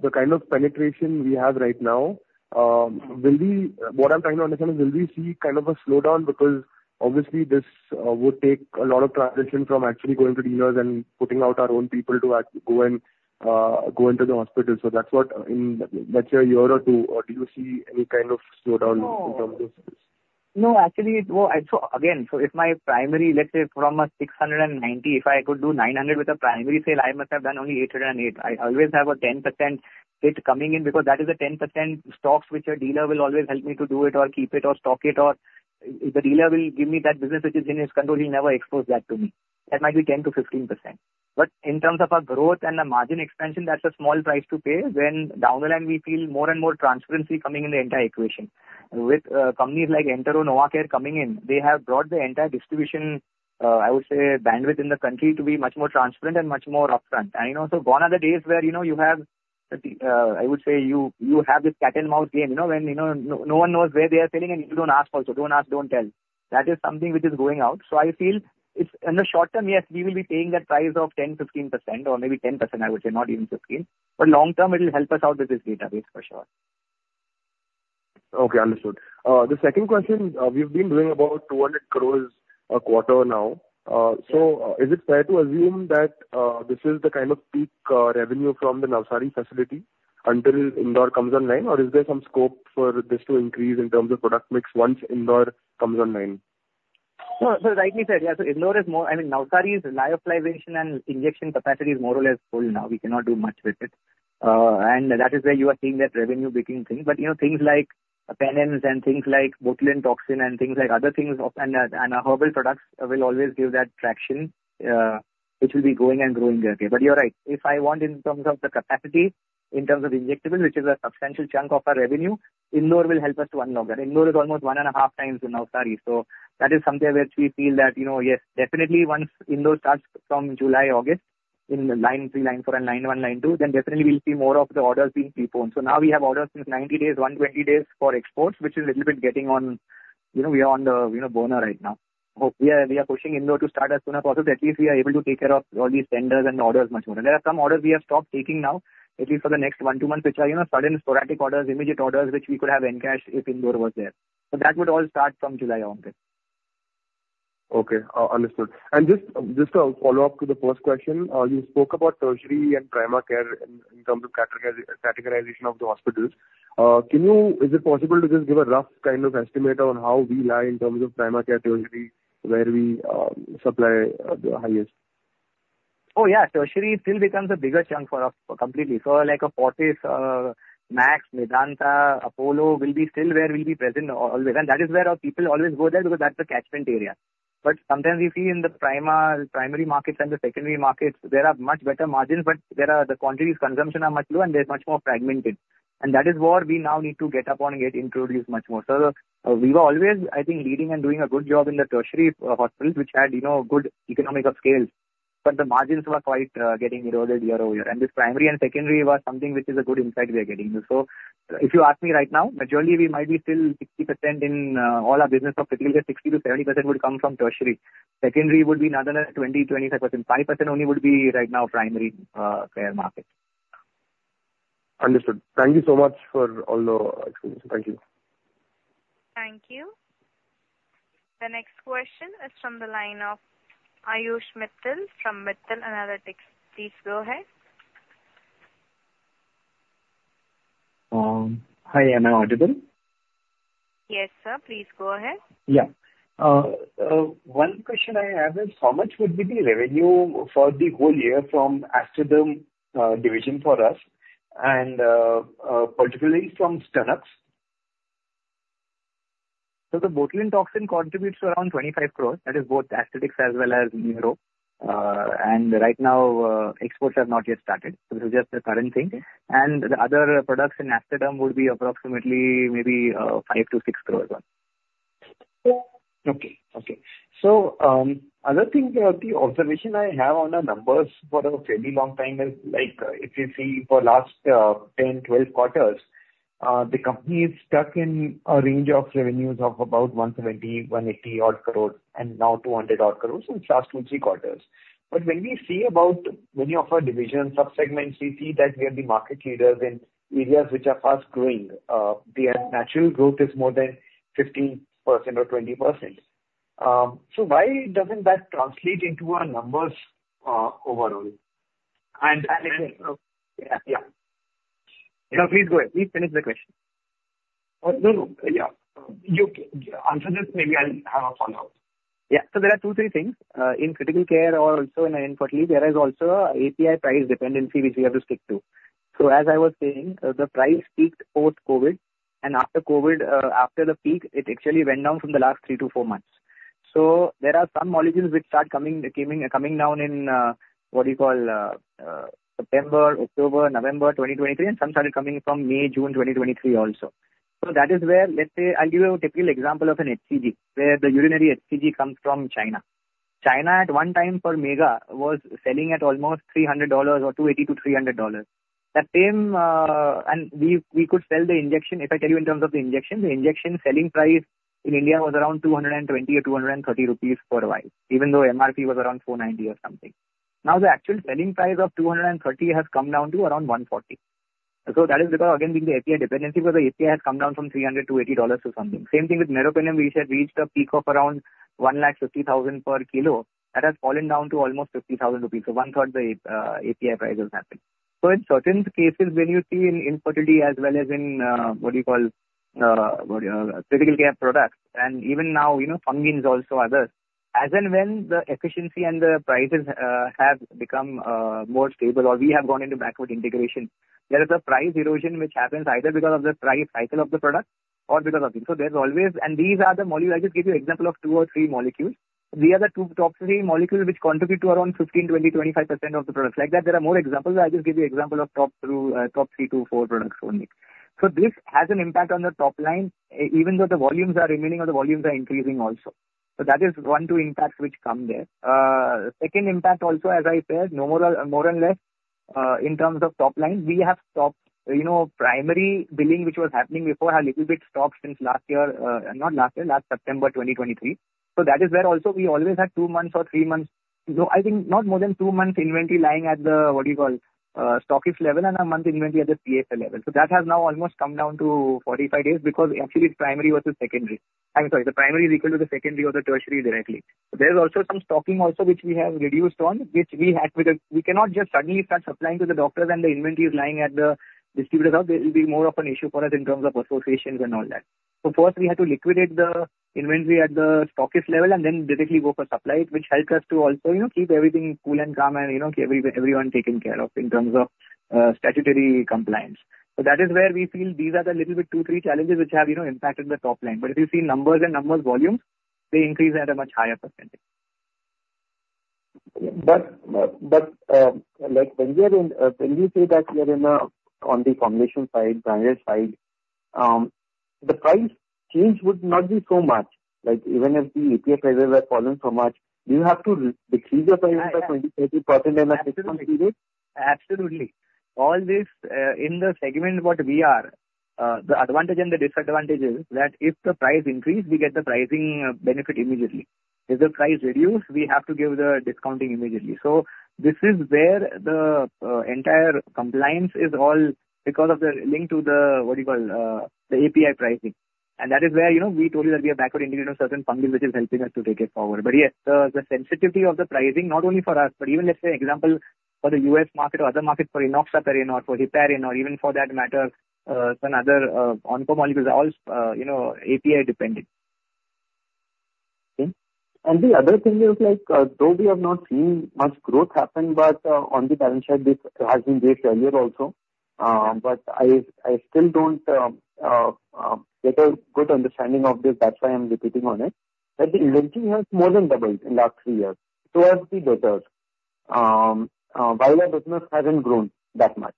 the kind of penetration we have right now, will we... What I'm trying to understand is, will we see kind of a slowdown? Because obviously this would take a lot of transition from actually going to dealers and putting out our own people to actually go and go into the hospital. So that's what in, that's a year or two. Or do you see any kind of slowdown in terms of this? No, actually, well, so again, so if my primary, let's say, from a 690, if I could do 900 with a primary sale, I must have done only 808. I always have a 10% hit coming in, because that is a 10% stocks which a dealer will always help me to do it or keep it or stock it, or if the dealer will give me that business which is in his control, he'll never expose that to me. That might be 10%-15%. But in terms of our growth and the margin expansion, that's a small price to pay when down the line we feel more and more transparency coming in the entire equation. With companies like Entero Healthcare, NovaCare coming in, they have brought the entire distribution, I would say, bandwidth in the country to be much more transparent and much more upfront. And, you know, so gone are the days where, you know, you have, I would say, you have this cat and mouse game, you know, when, you know, no one knows where they are selling, and you don't ask also. Don't ask, don't tell. That is something which is going out. I feel it's in the short term, yes, we will be paying that price of 10%-15%, or maybe 10%, I would say, not even 15%, but long term, it will help us out with this database for sure. Okay, understood. The second question, we've been doing about 200 crore a quarter now. So is it fair to assume that this is the kind of peak revenue from the Navsari facility until Indore comes online? Or is there some scope for this to increase in terms of product mix once Indore comes online? No. So rightly said, yeah, so Indore is more... I mean, Navsari's lyophilization and injection capacity is more or less full now. We cannot do much with it. And that is where you are seeing that revenue breaking thing. But, you know, things like penins and things like botulinum toxin and things like other things, and our herbal products will always give that traction, which will be growing and growing there. But you're right. If I want in terms of the capacity, in terms of injectable, which is a substantial chunk of our revenue, Indore will help us to unlock that. Indore is almost one and a half times in Navsari, so that is something where we feel that, you know, yes, definitely once Indore starts from July, August, in line three, line four, and line one, line two, then definitely we'll see more of the orders being pre-owned. So now we have orders since 90 days, 120 days for exports, which is little bit getting on, you know, we are on the, you know, burner right now. We are pushing Indore to start as soon as possible. At least we are able to take care of all these tenders and orders much more. There are some orders we have stopped taking now, at least for the next one to two months, which are, you know, sudden sporadic orders, immediate orders, which we could have encashed if Indore was there. So that would all start from July onwards. Okay, understood. And just a follow-up to the first question. You spoke about tertiary and primary care in terms of categorization of the hospitals. Can you... Is it possible to just give a rough kind of estimate on how we lie in terms of primary care, tertiary, where we supply the highest? Oh, yeah. Tertiary still becomes a bigger chunk for us, completely. So like Fortis, Max, Medanta, Apollo will be still where we'll be present always. And that is where our people always go there, because that's the catchment area. But sometimes we see in the primary markets and the secondary markets, there are much better margins, but there are, the quantities consumption are much low, and there's much more fragmented. And that is where we now need to get up on it, introduce much more. So we were always, I think, leading and doing a good job in the tertiary hospitals, which had, you know, good economies of scale, but the margins were quite getting eroded year-over-year. And this primary and secondary was something which is a good insight we are getting. So if you ask me right now, majorly we might be still 60% in all our business of critical care, 60%-70% would come from tertiary. Secondary would be another 20%-25%. 5% only would be right now, primary care market. Understood. Thank you so much for all the explanation. Thank you. Thank you. The next question is from the line of Ayush Mittal from Mittal Analytics. Please go ahead. Hi, am I audible? Yes, sir. Please go ahead. Yeah. One question I have is: How much would be the revenue for the whole year from Aesthederm division for us, and particularly from aesthetics? So the botulinum toxin contributes around 25 crore. That is both aesthetics as well as neuro. And right now, exports have not yet started. So this is just the current thing. And the other products in Aesthederm would be approximately maybe, 5 crore-6 crore. So, other thing, the observation I have on our numbers for a very long time is, like, if you see for last, 10, 12 quarters, the company is stuck in a range of revenues of about 170 crore-180 odd crore, and now 200 odd crore in last two to three quarters. But when we see about many of our divisions, sub-segments, we see that we are the market leaders in areas which are fast growing. The natural growth is more than 15% or 20%. So why doesn't that translate into our numbers, overall? And, yeah. No, please go ahead. Please finish the question. No, no. Yeah, you answer this, maybe I'll have a follow-up. Yeah. So there are two, three things. In critical care or also in infertility, there is also an API price dependency which we have to stick to. So as I was saying, the price peaked post-COVID, and after COVID, after the peak, it actually went down from the last three to four months. So there are some molecules which start coming down in September, October, November 2023, and some started coming from May, June 2023 also. So that is where, let's say, I'll give you a typical example of an HCG, where the urinary HCG comes from China. China, at one time for Mega, was selling at almost $300, or $280-$300. That same, and we, we could sell the injection. If I tell you in terms of the injection, the injection selling price in India was around 220-230 rupees for a vial, even though MRP was around 490 or something. Now, the actual selling price of 230 has come down to around 140. So that is because, again, the API dependency, because the API has come down from $300-$80 or something. Same thing with meropenem, which had reached a peak of around 150,000 per kilo, that has fallen down to almost 50,000 rupees, so one-third the API price has happened. So in certain cases, when you see in infertility as well as in critical care products, and even now, you know, fungins, also others, as and when the efficiency and the prices have become more stable or we have gone into backward integration, there is a price erosion which happens either because of the price cycle of the product or because of this. So there's always... And these are the molecules. I'll just give you example of two or three molecules. These are the two top three molecules, which contribute to around 15%, 20%, 25% of the products. Like that, there are more examples. I just give you example of top 2, top 3 to 4 products only. So this has an impact on the top line, even though the volumes are remaining or the volumes are increasing also. So that is one, two impacts which come there. Second impact also, as I said, no more, more and less, in terms of top line. We have stopped, you know, primary billing, which was happening before, a little bit stopped since last year, not last year, last September 2023. So that is where also we always had two months or three months, no, I think not more than two months inventory lying at the, what do you call, stockist level and a month inventory at the CSA level. So that has now almost come down to 45 days, because actually it's primary versus secondary. I'm sorry, the primary is equal to the secondary or the tertiary directly. There's also some stocking also which we have reduced on, which we had with. We cannot just suddenly start supplying to the doctors and the inventory is lying at the distributors. There will be more of an issue for us in terms of associations and all that. So first, we had to liquidate the inventory at the stockist level and then directly go for supply, which helped us to also, you know, keep everything cool and calm and, you know, everyone taken care of in terms of statutory compliance. So that is where we feel these are the little bit two, three challenges which have, you know, impacted the top line. But if you see numbers and numbers volumes, they increase at a much higher percentage. But, like when we are in, when you say that you are in a, on the formulation side, brand side, the price change would not be so much, like, even if the API prices have fallen so much, do you have to decrease your price by 20%-30%? Absolutely. All this, in the segment what we are, the advantage and the disadvantage is that if the price increase, we get the pricing benefit immediately. If the price reduce, we have to give the discounting immediately. So this is where the, entire compliance is all because of the link to the, what do you call, the API pricing. And that is where, you know, we told you that we are backward integrated of certain fungins, which is helping us to take it forward. But yes, the, the sensitivity of the pricing, not only for us, but even let's say example, for the U.S. market or other markets, for enoxaparin or for heparin or even for that matter, some other, onco molecules are all, you know, API dependent. Okay. The other thing is, like, though we have not seen much growth happen, but on the balance sheet, this has been raised earlier also, but I still don't get a good understanding of this. That's why I'm repeating on it. But the inventory has more than doubled in last three years towards the better, while our business hasn't grown that much.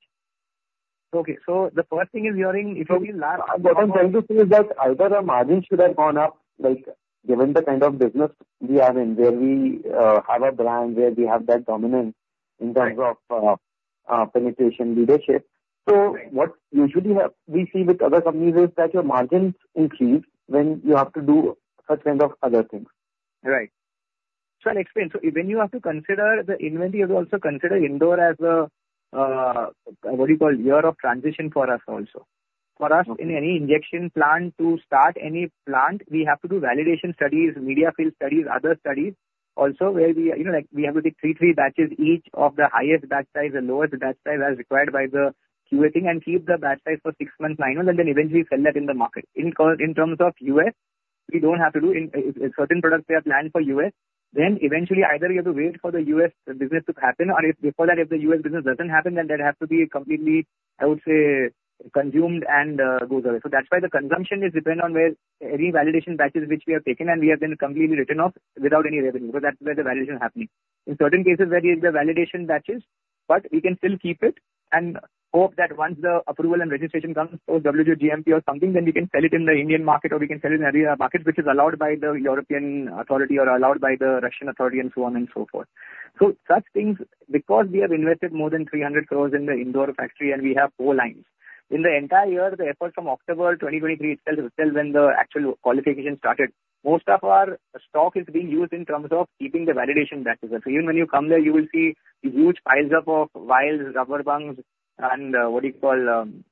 Okay. So the first thing is you're in, if you see last- What I'm trying to say is that either the margin should have gone up, like, given the kind of business we are in, where we have a brand, where we have that dominance in terms of penetration leadership. So what usually we have, we see with other companies is that your margins increase when you have to do such kind of other things. Right. So I'll explain. So when you have to consider the inventory, you have to also consider Indore as a, what do you call, year of transition for us also. For us, in any injection plant, to start any plant, we have to do validation studies, media fill studies, other studies also where we, you know, like, we have to take three, three batches, each of the highest batch size and lowest batch size as required by the QA team, and keep the batch size for six months minimum, and then eventually sell that in the market. In terms of U.S., we don't have to do. In certain products, we have planned for U.S., then eventually either you have to wait for the U.S. business to happen, or if before that, if the U.S. business doesn't happen, then that has to be completely, I would say, consumed and goes away. So that's why the consumption is dependent on where any validation batches which we have taken, and we have been completely written off without any revenue, because that's where the validation happening. In certain cases where there's a validation batches, but we can still keep it and hope that once the approval and registration comes for WHO GMP or something, then we can sell it in the Indian market, or we can sell it in area markets, which is allowed by the European Authority or allowed by the Russian Authority and so on and so forth. So such things, because we have invested more than 300 crore in the Indore factory and we have four lines. In the entire year, the effort from October 2023, itself, itself when the actual qualification started, most of our stock is being used in terms of keeping the validation practices. So even when you come there, you will see huge piles up of vials, rubber bands and, what do you call,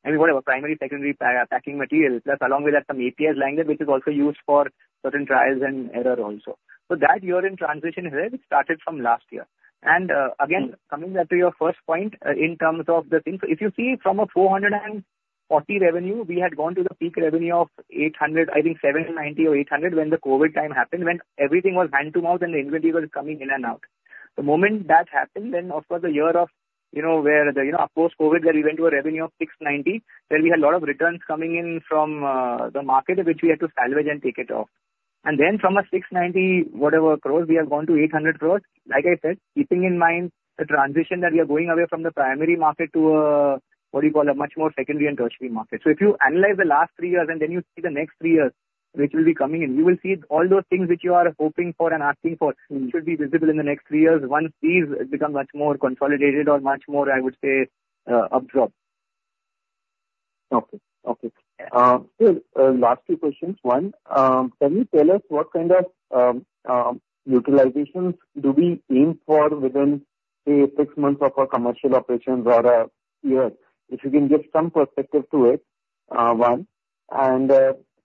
I mean, whatever, primary, secondary packing materials, plus along with that, some APIs lying there, which is also used for certain trials and error also. So that year in transition started from last year. Again, coming back to your first point, in terms of the things, if you see from a 440 crore revenue, we had gone to the peak revenue of 800, I think 790 or 800, when the COVID time happened, when everything was hand-to-mouth and the inventory was coming in and out. The moment that happened, then of course, the year of, you know, where the, you know, of course, COVID, where we went to a revenue of 690, where we had a lot of returns coming in from the market, which we had to salvage and take it off. Then from a 690, whatever crore, we have gone to 800 crore. Like I said, keeping in mind the transition that we are going away from the primary market to, what do you call, a much more secondary and tertiary market. So if you analyze the last three years, and then you see the next three years, which will be coming in, you will see all those things which you are hoping for and asking for- Mm. - should be visible in the next three years, once these become much more consolidated or much more, I would say, upfront. Okay, okay. So, last two questions. One, can you tell us what kind of utilizations do we aim for within, say, six months of our commercial operations rather, years? If you can give some perspective to it, one. And,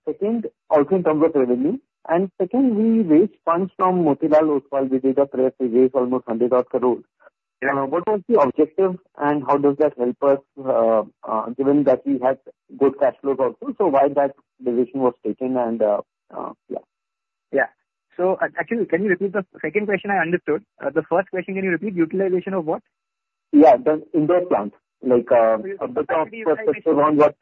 second, also in terms of revenue, and second, we raised funds from Motilal Oswal, we did a raise almost INR 100,000. Yeah. What was the objective and how does that help us, given that we have good cash flow also, so why that decision was taken, and yeah?... Yeah. So actually, can you repeat the second question? I understood the first question, can you repeat, utilization of what? Yeah, the Indore plant, like, on what,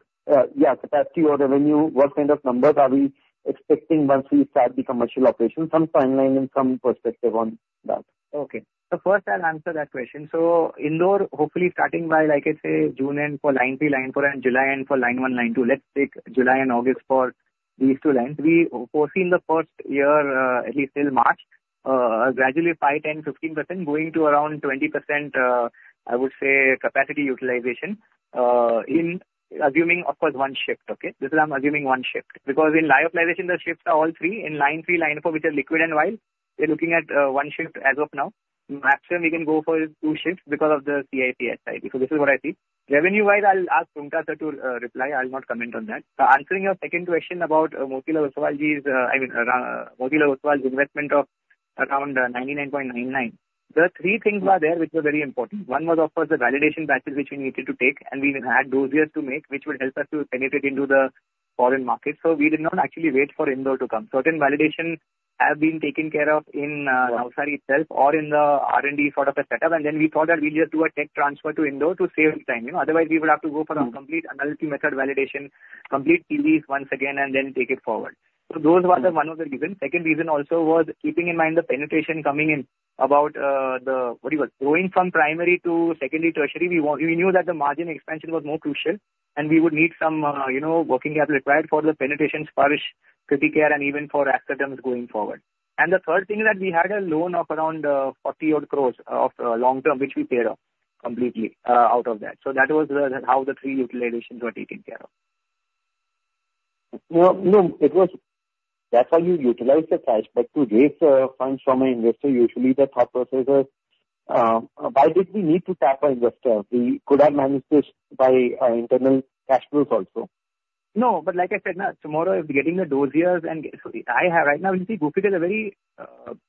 yeah, capacity or revenue, what kind of numbers are we expecting once we start the commercial operation? Some timeline and some perspective on that. Okay. So first, I'll answer that question. So Indore, hopefully starting by, like I say, June end for line three, line four, and July end for line one, line two. Let's take July and August for these two lines. We foresee in the first year, at least till March, gradually 5%, 10%, 15%, going to around 20%, I would say, capacity utilization, in assuming, of course, one shift, okay? This is, I'm assuming one shift. Because in line optimization, the shifts are all three. In line three, line four, which are liquid and oil, we're looking at, one shift as of now. Maximum, we can go for two shifts because of the CIP, I think. So this is what I see. Revenue-wise, I'll ask Roongta to reply, I'll not comment on that. Answering your second question about Motilal Oswal's investment of around 99.99 crore. The three things are there, which were very important. One was, of course, the validation batches which we needed to take, and we even had those years to make, which will help us to penetrate into the foreign market. So we did not actually wait for Indore to come. Certain validation have been taken care of in Navsari itself or in the R&D sort of a setup. And then we thought that we just do a tech transfer to Indore to save time. You know, otherwise, we would have to go for a complete analytics method validation, complete PDs once again and then take it forward. So those were the one of the reasons. Second reason also was keeping in mind the penetration coming in about, the, what do you call? Growing from primary to secondary, tertiary, we knew that the margin expansion was more crucial, and we would need some, you know, working capital required for the penetration, Sparsh, Criticare, and even for Aesthederm going forward. And the third thing is that we had a loan of around 40-odd crore of long-term, which we paid off completely, out of that. So that was how the three utilizations were taken care of. No, no, it was... That's how you utilize the cash. But to raise funds from an investor, usually the thought process is, why did we need to tap our investor? We could have managed this by internal cash flows also. No, but like I said, now, tomorrow, if getting the dossiers and so I have right now, you see, Gufic is a very,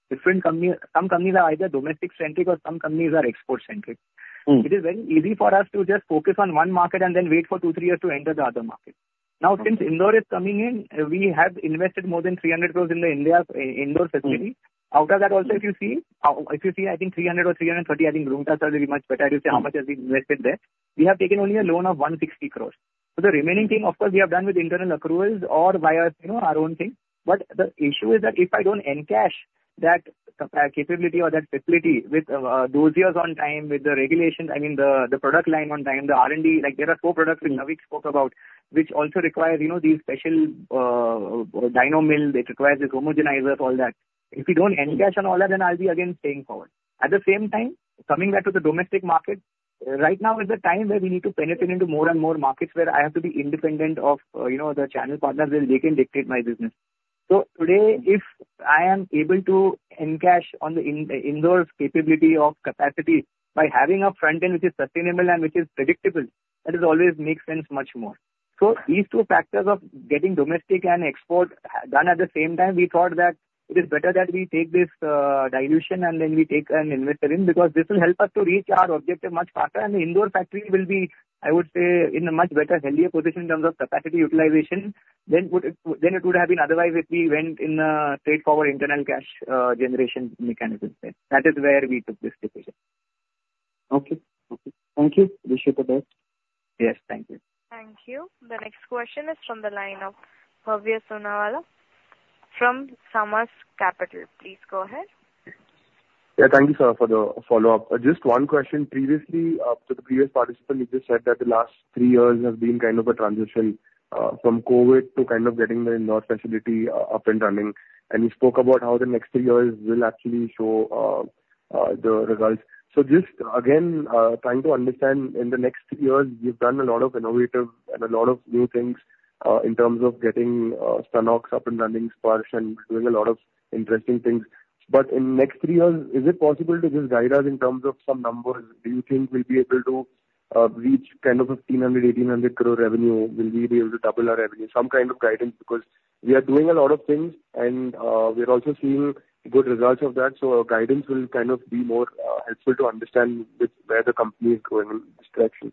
different company. Some companies are either domestic-centric or some companies are export-centric. Mm. It is very easy for us to just focus on one market and then wait for two to three years to enter the other market. Now, since Indore is coming in, we have invested more than 300 crore in the Indian Indore facility. Out of that also, if you see, if you see, I think 300 or 330, I think Roongta will be much better to say how much has been invested there. We have taken only a loan of 160 crore. So the remaining thing, of course, we have done with internal accruals or via, you know, our own thing. But the issue is that if I don't encash that capability or that facility with those years on time, with the regulations, I mean, the product line on time, the R&D, like, there are four products which Avik spoke about, which also require, you know, these special Dyno Mill, which requires a homogenizer, all that. If you don't encash on all that, then I'll be again paying forward. At the same time, coming back to the domestic market, right now is the time where we need to penetrate into more and more markets, where I have to be independent of, you know, the channel partners, where they can dictate my business. So today, if I am able to encash on the Indore's capability of capacity by having a front end which is sustainable and which is predictable, that is always makes sense much more. So these two factors of getting domestic and export, done at the same time, we thought that it is better that we take this, dilution and then we take an investor in, because this will help us to reach our objective much faster. And the Indore factory will be, I would say, in a much better, healthier position in terms of capacity utilization than would, than it would have been otherwise if we went in a straightforward internal cash, generation mechanism there. That is where we took this decision. Okay. Okay. Thank you. Wish you the best. Yes, thank you. Thank you. The next question is from the line of Bhavya Sonawala from Samaasa Capital Please go ahead. Yeah, thank you, sir, for the follow-up. Just one question. Previously, to the previous participant, you just said that the last three years have been kind of a transition from COVID to kind of getting the Indore facility up and running. You spoke about how the next three years will actually show the results. So just again, trying to understand, in the next three years, you've done a lot of innovative and a lot of new things in terms of getting Stunnox up and running, Sparsh, and doing a lot of interesting things. But in next three years, is it possible to just guide us in terms of some numbers? Do you think we'll be able to reach kind of 1,500 crore-1,800 crore revenue? Will we be able to double our revenue? Some kind of guidance, because we are doing a lot of things, and we're also seeing good results of that. So a guidance will kind of be more helpful to understand which, where the company is going in this direction.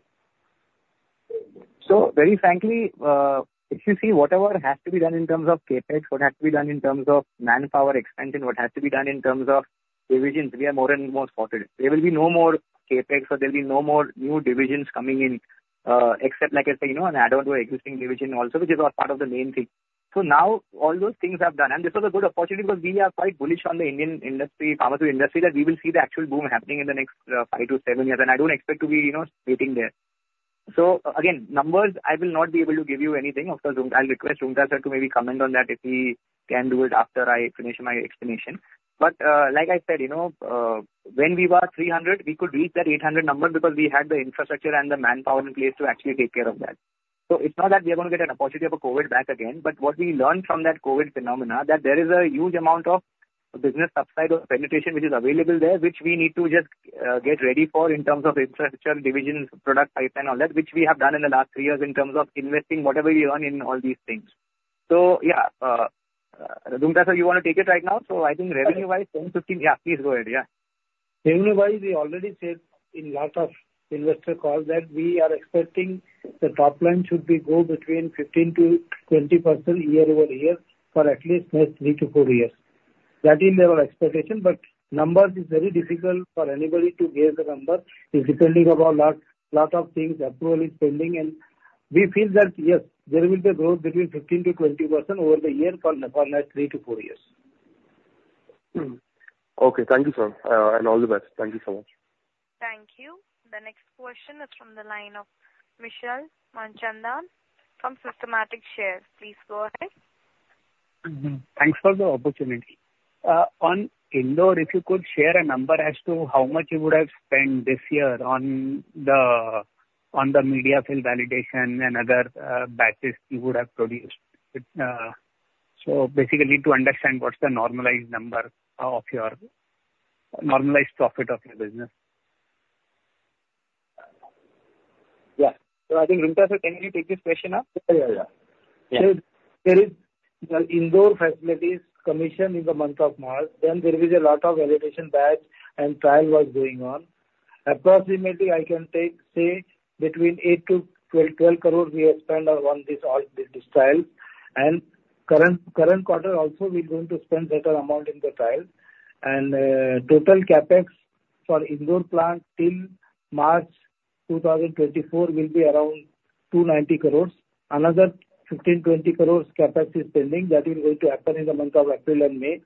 So very frankly, if you see whatever has to be done in terms of CapEx, what has to be done in terms of manpower expansion, what has to be done in terms of divisions, we are more and more sorted. There will be no more CapEx or there will be no more new divisions coming in, except like I said, you know, an add-on to existing division also, which is all part of the main thing. So now all those things are done, and this was a good opportunity because we are quite bullish on the Indian industry, pharmacy industry, that we will see the actual boom happening in the next five to seven years. And I don't expect to be, you know, waiting there. So again, numbers, I will not be able to give you anything. Of course, I'll request Roongta, sir, to maybe comment on that if he can do it after I finish my explanation. But, like I said, you know, when we were 300, we could reach that 800 number because we had the infrastructure and the manpower in place to actually take care of that. So it's not that we are going to get an opportunity of a COVID back again, but what we learned from that COVID phenomenon, that there is a huge amount of business subside or penetration which is available there, which we need to just get ready for in terms of infrastructure, divisions, product pipeline, all that, which we have done in the last three years in terms of investing whatever we earn in all these things. So yeah, Roongta, sir, you want to take it right now? I think revenue-wise, 10, 15... Yeah, please go ahead. Yeah.... similarly, we already said in lot of investor calls that we are expecting the top line should be grow between 15%-20% year-over-year for at least next three to four years. That is our expectation, but numbers is very difficult for anybody to guess the number. It's depending upon lot, lot of things, approval is pending, and we feel that, yes, there will be a growth between 15%-20% over the year for the, for the next three to four years. Hmm. Okay, thank you, sir, and all the best. Thank you so much. Thank you. The next question is from the line of Vishal Manchanda from Systematix Shares & Stocks. Please go ahead. Thanks for the opportunity. On Indore, if you could share a number as to how much you would have spent this year on the media fill validation and other batches you would have produced. So basically to understand what's the normalized number of your normalized profit of your business? Yeah. So I think Roongta said, "Can you take this question now? Yeah, yeah, yeah. Yeah. There is the Indore facility commissioning in the month of March, then there is a lot of validation batch and trial was going on. Approximately, I can take, say, between 8 crore-12 crore we have spent on, on this, all this trial. And current quarter also, we're going to spend better amount in the trial. And total CapEx for Indore plant till March 2024 will be around 290 crore. Another 15 crore-20 crore CapEx is pending. That is going to happen in the month of April and May.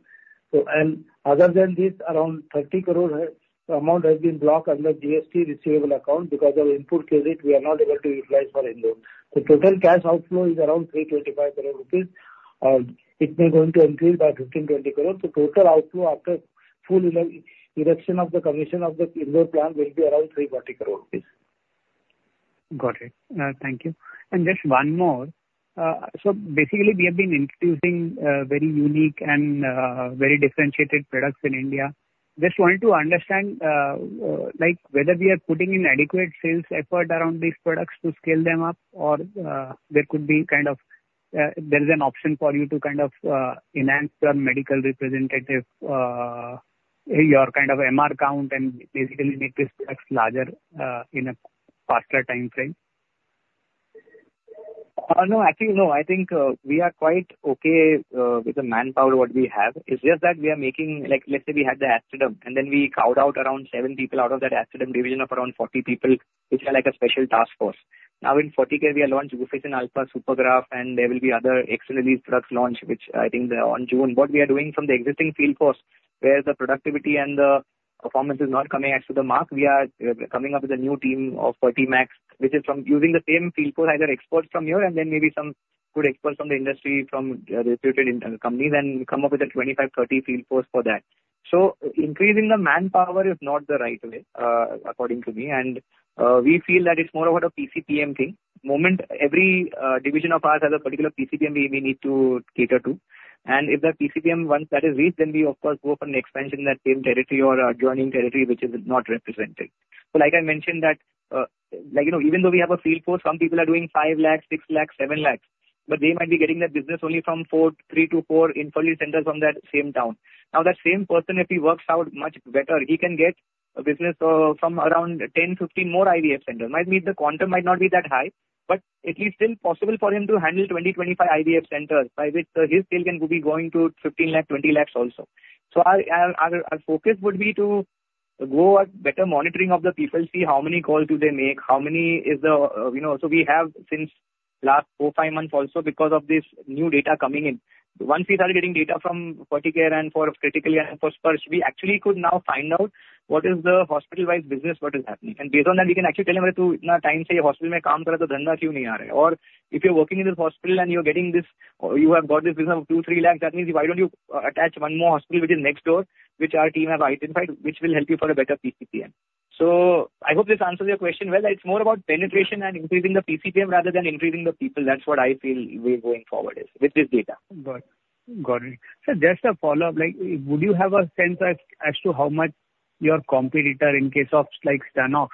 So, and other than this, around 30 crore amount has been blocked under GST receivable account because of input credit we are not able to utilize for Indore. The total cash outflow is around 325 crore rupees, it may going to increase by 15 crore-20 crore. The total outflow after full erection and commissioning of the Indore plant will be around 340 crore rupees. Got it. Thank you. And just one more. So basically, we have been introducing very unique and very differentiated products in India. Just want to understand, like, whether we are putting in adequate sales effort around these products to scale them up, or there could be kind of there is an option for you to kind of enhance your medical representative, your kind of MR count and basically make this larger in a faster timeframe? No, actually, no. I think we are quite okay with the manpower what we have. It's just that we are making like, let's say we had the asthma team, and then we carved out around seven people out of that asthma team division of around 40 people, which are like a special task force. Now, in Q4, we have launched Guficap, Supergraf, and there will be other exclusive products launch, which I think they're on June. What we are doing from the existing field force, where the productivity and the performance is not coming up to the mark, we are coming up with a new team of 40 max, which is from using the same field force, either experts from here and then maybe some good experts from the industry, from recruited in companies, and come up with a 25-30 field force for that. So increasing the manpower is not the right way, according to me. And we feel that it's more of a PCPM thing. Moment, every division of us has a particular PCPM we need to cater to. And if the PCPM, once that is reached, then we of course go for an expansion in that same territory or adjoining territory, which is not represented. So like I mentioned that, like, you know, even though we have a field force, some people are doing 5 lakh-7 lakh, but they might be getting that business only from three to four infertility centers from that same town. Now, that same person, if he works out much better, he can get a business from around 10-15 more IVF centers. Might be the quantum might not be that high, but it is still possible for him to handle 20-25 IVF centers, by which his scale can be going to 15 lakh-20 lakh also. So our focus would be to go a better monitoring of the people, see how many calls do they make, how many is the, you know... So we have since last four to five months also, because of this new data coming in, once we started getting data from Ferticare and for Criticare and for Sparsh, we actually could now find out what is the hospital-wise business, what is happening. And based on that, we can actually tell them, "You've been working in this hospital for a long time, so why is the business not coming?" Or, "If you're working in this hospital and you're getting this, or you have got this business of 2 lakh-3 lakh, that means why don't you attach one more hospital which is next door, which our team have identified, which will help you for a better PCPM?" So I hope this answers your question. Well, it's more about penetration and increasing the PCPM rather than increasing the people. That's what I feel we're going forward is with this data. Got it. Got it. So just a follow-up, like, would you have a sense as, as to how much your competitor, in case of like Stunnox,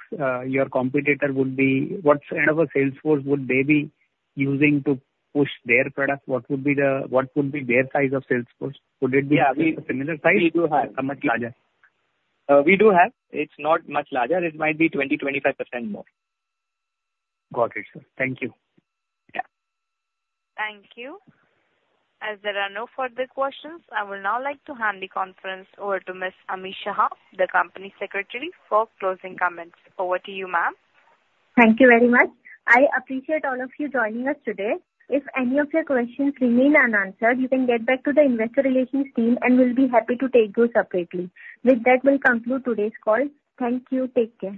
your competitor would be— What kind of a sales force would they be using to push their product? What would be the, what would be their size of sales force? Would it be a similar size- We do have. or much larger? We do have. It's not much larger. It might be 20-25% more. Got it, sir. Thank you. Yeah. Thank you. As there are no further questions, I would now like to hand the conference over to Miss Ami Shah, the company secretary, for closing comments. Over to you, ma'am. Thank you very much. I appreciate all of you joining us today. If any of your questions remain unanswered, you can get back to the investor relations team, and we'll be happy to take those separately. With that, we'll conclude today's call. Thank you. Take care.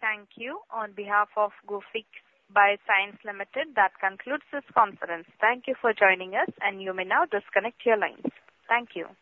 Thank you. On behalf of Gufic Biosciences Limited, that concludes this conference. Thank you for joining us, and you may now disconnect your lines. Thank you.